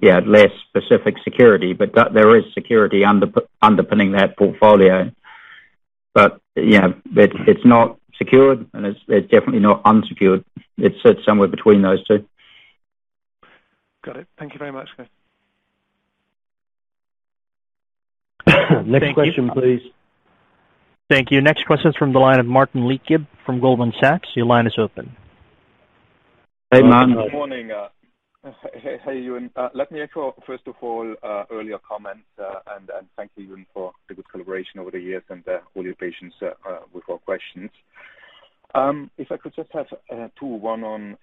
yeah, less specific security, but that there is security underpinning that portfolio. You know, it's not secured, and it's definitely not unsecured. It sits somewhere between those two. Got it. Thank you very much. Next question, please. Thank you. Next question is from the line of Martin Leitgeb from Goldman Sachs. Your line is open. Hey, Martin. Good morning. Hey, Ewen. Let me intro, first of all, earlier comments, and thank you, Ewen, for the good collaboration over the years and all your patience with our questions. If I could just have two, one on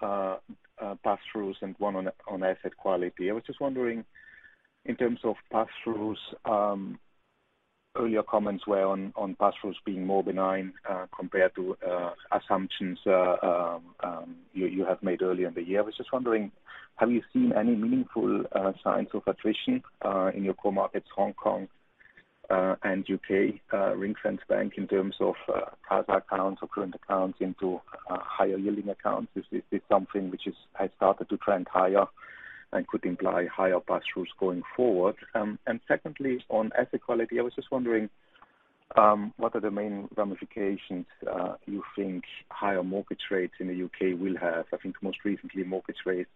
pass-throughs and one on asset quality. I was just wondering, in terms of pass-throughs, earlier comments were on pass-throughs being more benign compared to assumptions you have made earlier in the year. I was just wondering, have you seen any meaningful signs of attrition in your core markets, Hong Kong, and UK ring-fenced bank in terms of current accounts or current accounts into higher yielding accounts? Is something which has started to trend higher and could imply higher pass-throughs going forward? Secondly, on asset quality, I was just wondering what are the main ramifications you think higher mortgage rates in the U.K. will have? I think most recently, headline mortgage rates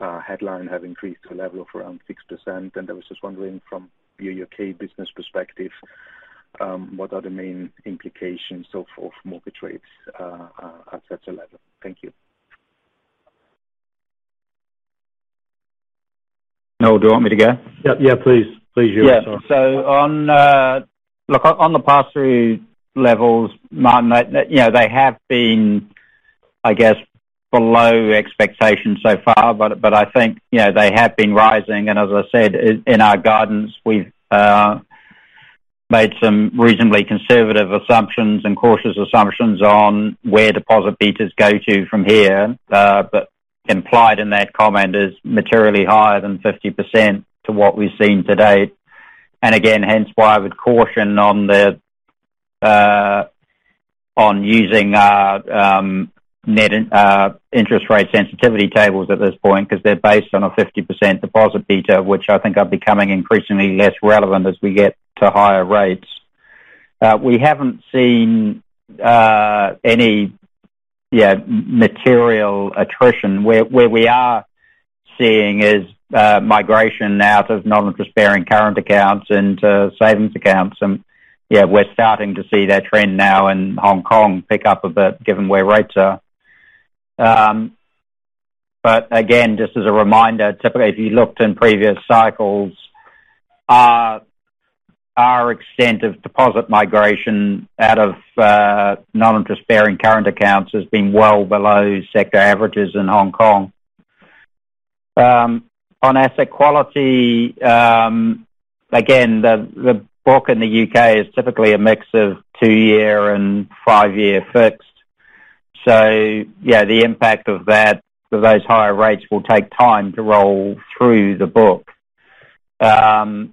have increased to a level of around 6%. I was just wondering from your U.K. business perspective, what are the main implications for the mortgage rates at such a level? Thank you. Noel, do you want me to go? Yeah, please, Ewen, sorry. On the pass-through levels, Martin, that you know they have been, I guess, below expectations so far, but I think, you know, they have been rising. As I said, in our guidance, we've made some reasonably conservative assumptions and cautious assumptions on where deposit betas go to from here. Implied in that comment is materially higher than 50% to what we've seen to date. Hence why I would caution on using net interest rate sensitivity tables at this point, because they're based on a 50% deposit beta, which I think are becoming increasingly less relevant as we get to higher rates. We haven't seen any material attrition. Where we are seeing is migration out of non-interest-bearing current accounts into savings accounts. Yeah, we're starting to see that trend now in Hong Kong pick up a bit given where rates are. But again, just as a reminder, typically if you looked in previous cycles, our extent of deposit migration out of non-interest-bearing current accounts has been well below sector averages in Hong Kong. On asset quality, again, the book in the UK is typically a mix of two-year and five-year fixed. Yeah, the impact of that for those higher rates will take time to roll through the book. You know,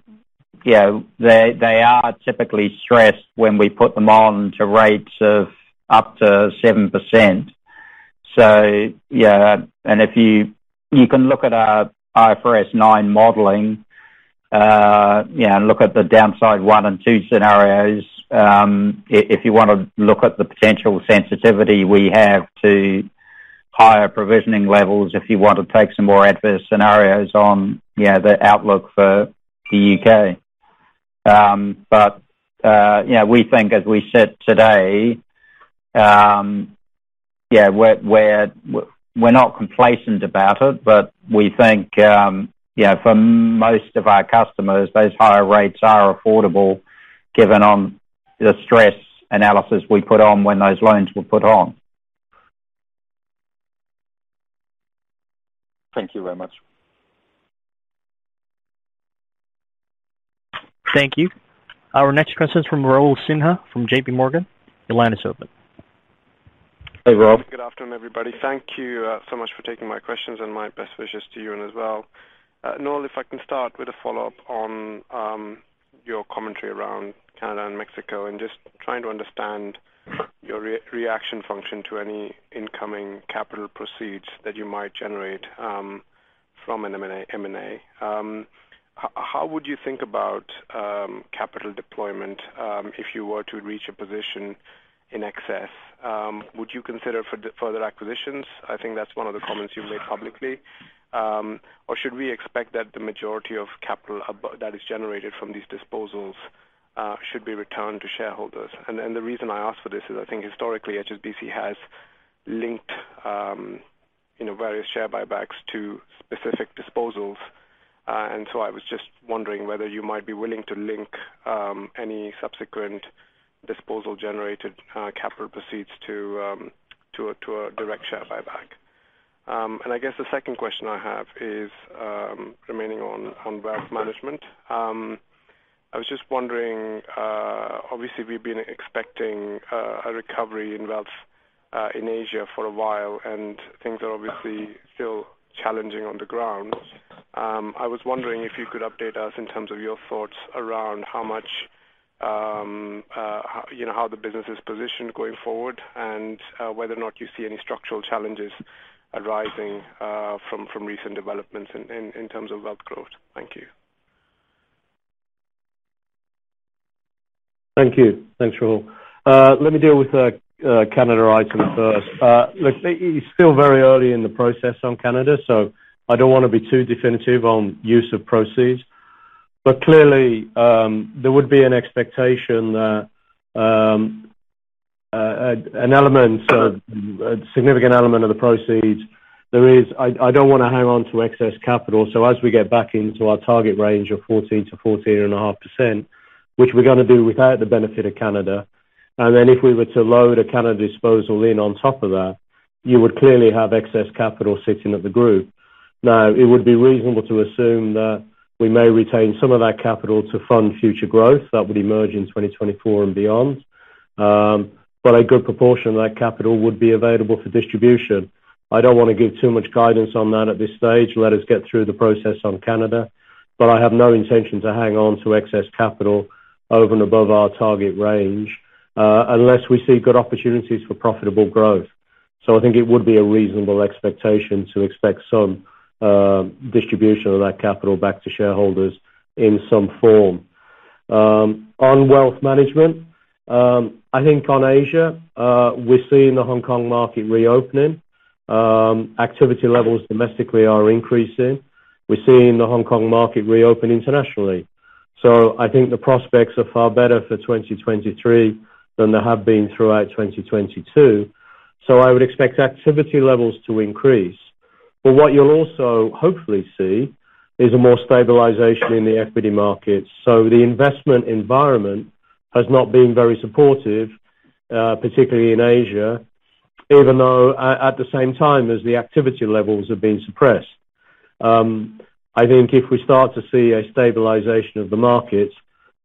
they are typically stressed when we put them on to rates of up to 7%. If you can look at our IFRS 9 modeling, you know, and look at the downside one and two scenarios, if you wanna look at the potential sensitivity we have to higher provisioning levels if you want to take some more adverse scenarios on, you know, the outlook for the UK. You know, we think, as we said today, we're not complacent about it, but we think, you know, for most of our customers, those higher rates are affordable given the stress analysis we put on when those loans were put on. Thank you very much. Thank you. Our next question is from Raul Sinha from JPMorgan. Your line is open. Hey, Raul. Good afternoon, everybody. Thank you so much for taking my questions and my best wishes to you and as well. Noel, if I can start with a follow-up on your commentary around Canada and Mexico, and just trying to understand your reaction function to any incoming capital proceeds that you might generate from an M&A. How would you think about capital deployment if you were to reach a position in excess. Would you consider further acquisitions? I think that's one of the comments you made publicly. Or should we expect that the majority of capital that is generated from these disposals should be returned to shareholders? The reason I ask for this is I think historically HSBC has linked you know various share buybacks to specific disposals. I was just wondering whether you might be willing to link any subsequent disposal-generated capital proceeds to a direct share buyback. I guess the second question I have is remaining on wealth management. I was just wondering. Obviously we've been expecting a recovery in wealth in Asia for a while, and things are obviously still challenging on the ground. I was wondering if you could update us in terms of your thoughts around how much, you know, how the business is positioned going forward, and whether or not you see any structural challenges arising from recent developments in terms of wealth growth. Thank you. Thank you. Thanks, Raul. Let me deal with the Canada item first. Look, it's still very early in the process on Canada, so I don't wanna be too definitive on use of proceeds. Clearly, there would be an expectation that an element, a significant element of the proceeds there is. I don't wanna hang on to excess capital. As we get back into our target range of 14 to 14.5%, which we're gonna do without the benefit of Canada, and then if we were to load a Canada disposal in on top of that, you would clearly have excess capital sitting at the group. It would be reasonable to assume that we may retain some of that capital to fund future growth that would emerge in 2024 and beyond. A good proportion of that capital would be available for distribution. I don't wanna give too much guidance on that at this stage. Let us get through the process on Canada. I have no intention to hang on to excess capital over and above our target range, unless we see good opportunities for profitable growth. I think it would be a reasonable expectation to expect some distribution of that capital back to shareholders in some form. On wealth management, I think on Asia, we're seeing the Hong Kong market reopening. Activity levels domestically are increasing. We're seeing the Hong Kong market reopen internationally. I think the prospects are far better for 2023 than they have been throughout 2022. I would expect activity levels to increase. What you'll also hopefully see is more stabilization in the equity markets. The investment environment has not been very supportive, particularly in Asia, even though at the same time as the activity levels have been suppressed. I think if we start to see a stabilization of the markets,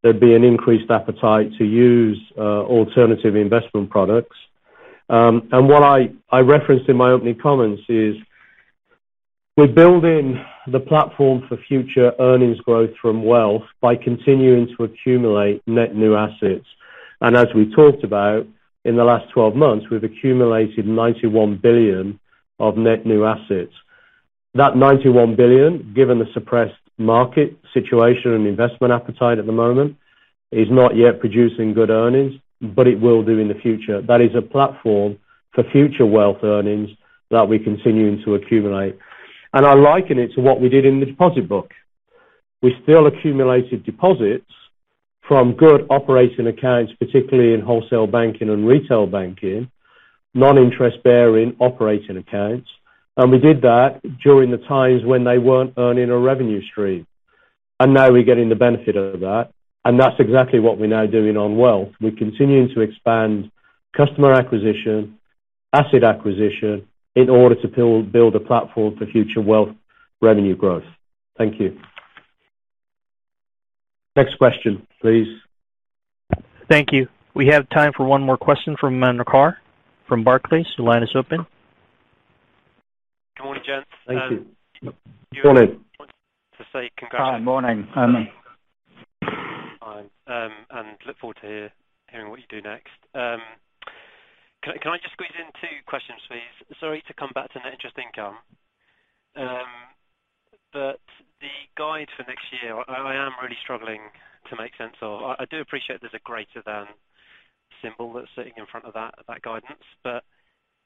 there'd be an increased appetite to use alternative investment products. What I referenced in my opening comments is we're building the platform for future earnings growth from wealth by continuing to accumulate net new assets. As we talked about, in the last 12 months, we've accumulated $91 billion of net new assets. That $91 billion, given the suppressed market situation and investment appetite at the moment, is not yet producing good earnings, but it will do in the future. That is a platform for future wealth earnings that we're continuing to accumulate. I liken it to what we did in the deposit book. We still accumulated deposits from good operating accounts, particularly in wholesale banking and retail banking, non-interest bearing operating accounts. We did that during the times when they weren't earning a revenue stream. Now we're getting the benefit of that. That's exactly what we're now doing on wealth. We're continuing to expand customer acquisition, asset acquisition, in order to build a platform for future wealth revenue growth. Thank you. Next question, please. Thank you. We have time for one more question from Manav Kar from Barclays. The line is open. Good morning, gents. Thank you. Um- Morning. I just want to say congrats. Hi. Morning, Fine. Look forward to hearing what you do next. Can I just squeeze in two questions, please? Sorry to come back to net interest income. The guide for next year, I am really struggling to make sense of. I do appreciate there's a greater than symbol that's sitting in front of that guidance.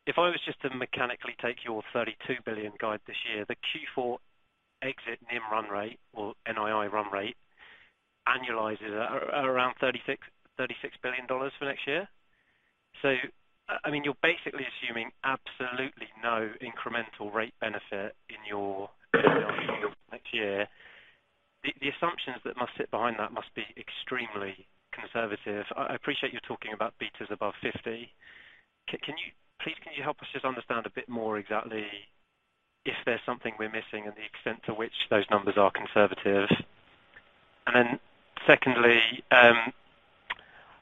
If I was just to mechanically take your $32 billion guide this year, the Q4 exit NIM run rate or NII run rate annualizes at around $36 billion for next year. I mean, you're basically assuming absolutely no incremental rate benefit in your next year. The assumptions that must sit behind that must be extremely conservative. I appreciate you talking about betas above 50. Can you please help us just understand a bit more exactly if there's something we're missing and the extent to which those numbers are conservative? Secondly,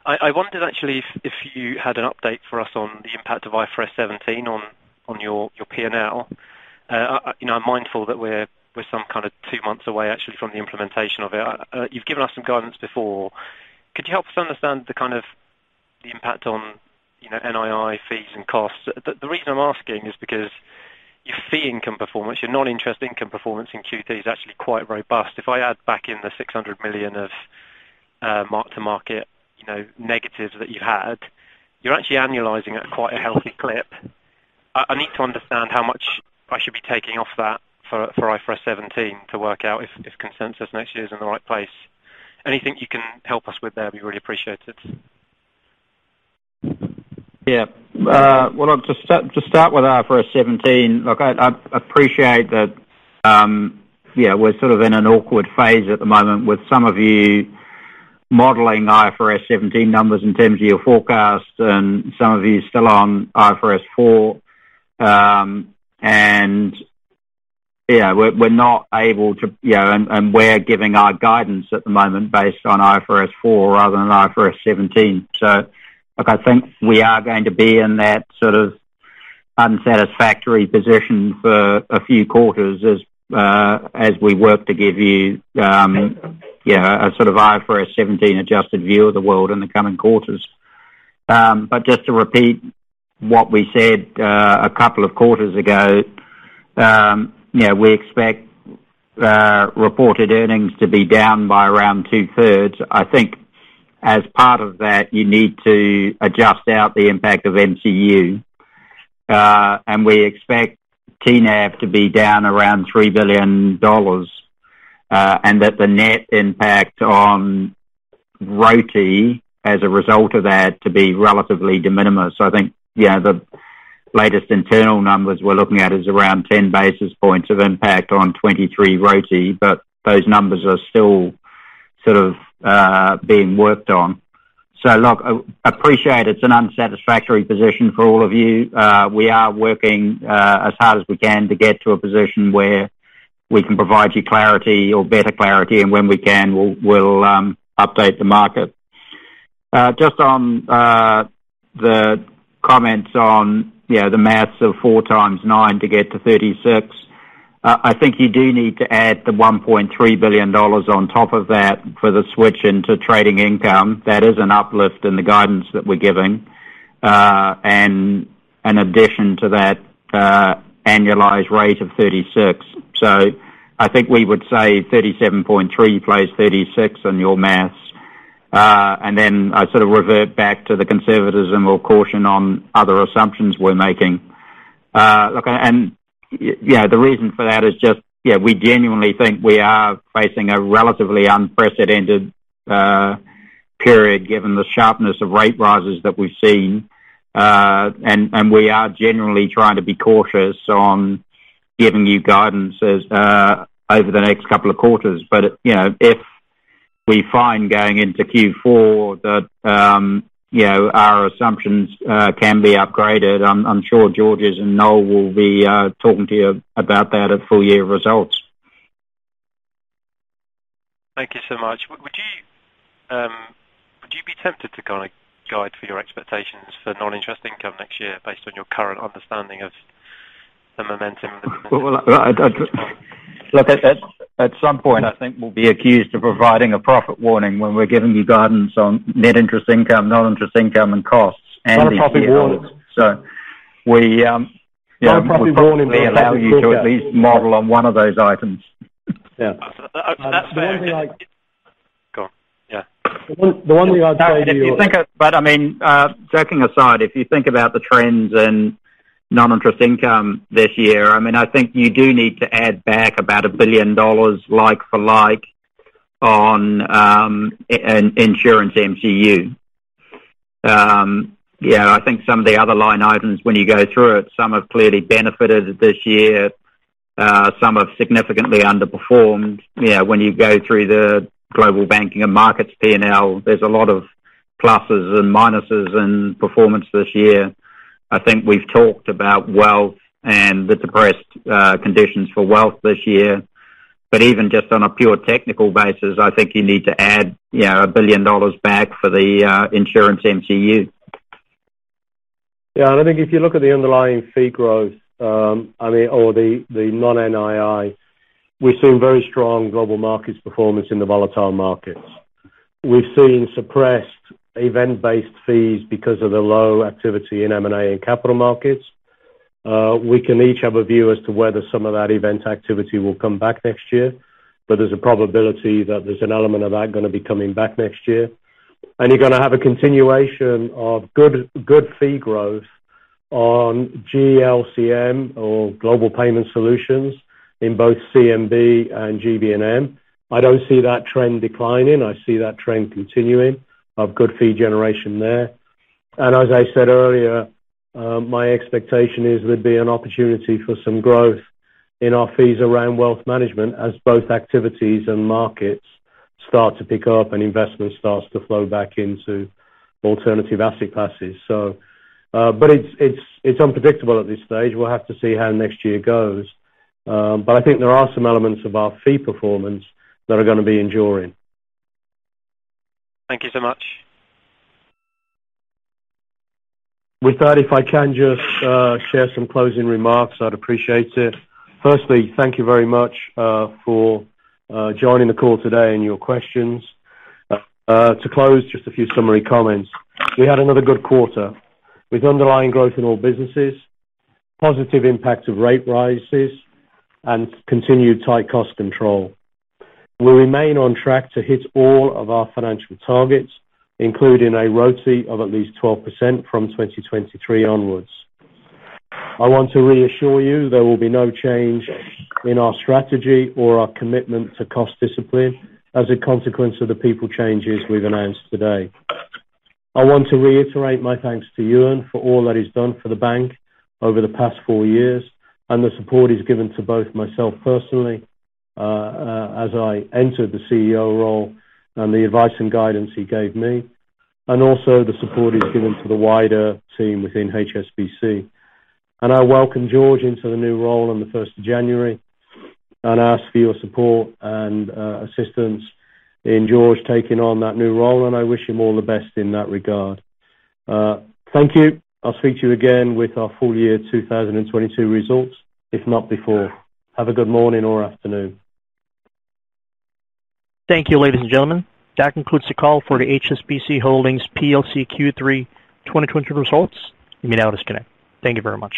I wondered actually if you had an update for us on the impact of IFRS 17 on your P&L. You know, I'm mindful that we're some kind of two months away actually from the implementation of it. You've given us some guidance before. Could you help us understand kind of the impact on, you know, NII fees and costs? The reason I'm asking is because fee income performance. Your non-interest income performance in QT is actually quite robust. If I add back in the $600 million of mark-to-market, you know, negatives that you had, you're actually annualizing at quite a healthy clip. I need to understand how much I should be taking off that for IFRS 17 to work out if consensus next year is in the right place. Anything you can help us with there, we really appreciate it. Yeah. Well, to start with IFRS 17, look, I appreciate that, yeah, we're sort of in an awkward phase at the moment with some of you modeling IFRS 17 numbers in terms of your forecast and some of you still on IFRS 4. Yeah, we're not able to, you know. We're giving our guidance at the moment based on IFRS 4 rather than IFRS 17. Look, I think we are going to be in that sort of unsatisfactory position for a few quarters as we work to give you, yeah, a sort of IFRS 17 adjusted view of the world in the coming quarters. Just to repeat what we said a couple of quarters ago, you know, we expect reported earnings to be down by around two-thirds. I think as part of that, you need to adjust out the impact of MCU. We expect TNAB to be down around $3 billion, and that the net impact on ROTE as a result of that to be relatively de minimis. I think, yeah, the latest internal numbers we're looking at is around 10 basis points of impact on 2023 ROTE, but those numbers are still sort of being worked on. Look, I appreciate it's an unsatisfactory position for all of you. We are working as hard as we can to get to a position where we can provide you clarity or better clarity. When we can, we'll update the market. Just on the comments on, you know, the math of 4 times 9 to get to 36. I think you do need to add the $1.3 billion on top of that for the switch into trading income. That is an uplift in the guidance that we're giving, and an addition to that, annualized rate of 36. I think we would say 37.3 plus 36 on your maths. I sort of revert back to the conservatism or caution on other assumptions we're making. Look, you know, the reason for that is just, you know, we genuinely think we are facing a relatively unprecedented period, given the sharpness of rate rises that we've seen. We are generally trying to be cautious on giving you guidance as over the next couple of quarters. You know, if we find going into Q4 that, you know, our assumptions can be upgraded, I'm sure Georges and Noel will be talking to you about that at full year results. Thank you so much. Would you be tempted to kind of guide for your expectations for non-interest income next year based on your current understanding of the momentum? Well, look, at some point, I think we'll be accused of providing a profit warning when we're giving you guidance on net interest income, non-interest income and costs and. Not a profit warning. So we, um, you know- Not a profit warning. We allow you to at least model on one of those items. Yeah. Go on, yeah. The one way I'd say to you. I mean, joking aside, if you think about the trends in non-interest income this year, I mean, I think you do need to add back about $1 billion like for like on in insurance MCU. Yeah, I think some of the other line items when you go through it, some have clearly benefited this year. Some have significantly underperformed. You know, when you go through the Global Banking and Markets P&L, there's a lot of pluses and minuses in performance this year. I think we've talked about wealth and the depressed conditions for wealth this year. Even just on a pure technical basis, I think you need to add, you know, $1 billion back for the insurance MCU. Yeah. I think if you look at the underlying fee growth, I mean, or the non-NII, we've seen very strong global markets performance in the volatile markets. We've seen suppressed event-based fees because of the low activity in M&A and capital markets. We can each have a view as to whether some of that event activity will come back next year. There's a probability that there's an element of that gonna be coming back next year. You're gonna have a continuation of good fee growth on GLCM or Global Payment Solutions in both CMB and GBM. I don't see that trend declining. I see that trend continuing of good fee generation there. As I said earlier, my expectation is there'd be an opportunity for some growth in our fees around wealth management as both activities and markets start to pick up and investment starts to flow back into alternative asset classes. It's unpredictable at this stage. We'll have to see how next year goes. I think there are some elements of our fee performance that are gonna be enduring. Thank you so much. With that, if I can just share some closing remarks, I'd appreciate it. Firstly, thank you very much for joining the call today and your questions. To close, just a few summary comments. We had another good quarter with underlying growth in all businesses, positive impact of rate rises and continued tight cost control. We remain on track to hit all of our financial targets, including a ROTE of at least 12% from 2023 onwards. I want to reassure you there will be no change in our strategy or our commitment to cost discipline as a consequence of the people changes we've announced today. I want to reiterate my thanks to Euan for all that he's done for the bank over the past four years and the support he's given to both myself personally, as I entered the CEO role and the advice and guidance he gave me, and also the support he's given to the wider team within HSBC. I welcome Georges into the new role on the first of January and ask for your support and, assistance in Georges taking on that new role, and I wish him all the best in that regard. Thank you. I'll speak to you again with our full year 2022 results, if not before. Have a good morning or afternoon. Thank you, ladies and gentlemen. That concludes the call for the HSBC Holdings plc Q3 2020 results. You may now disconnect. Thank you very much.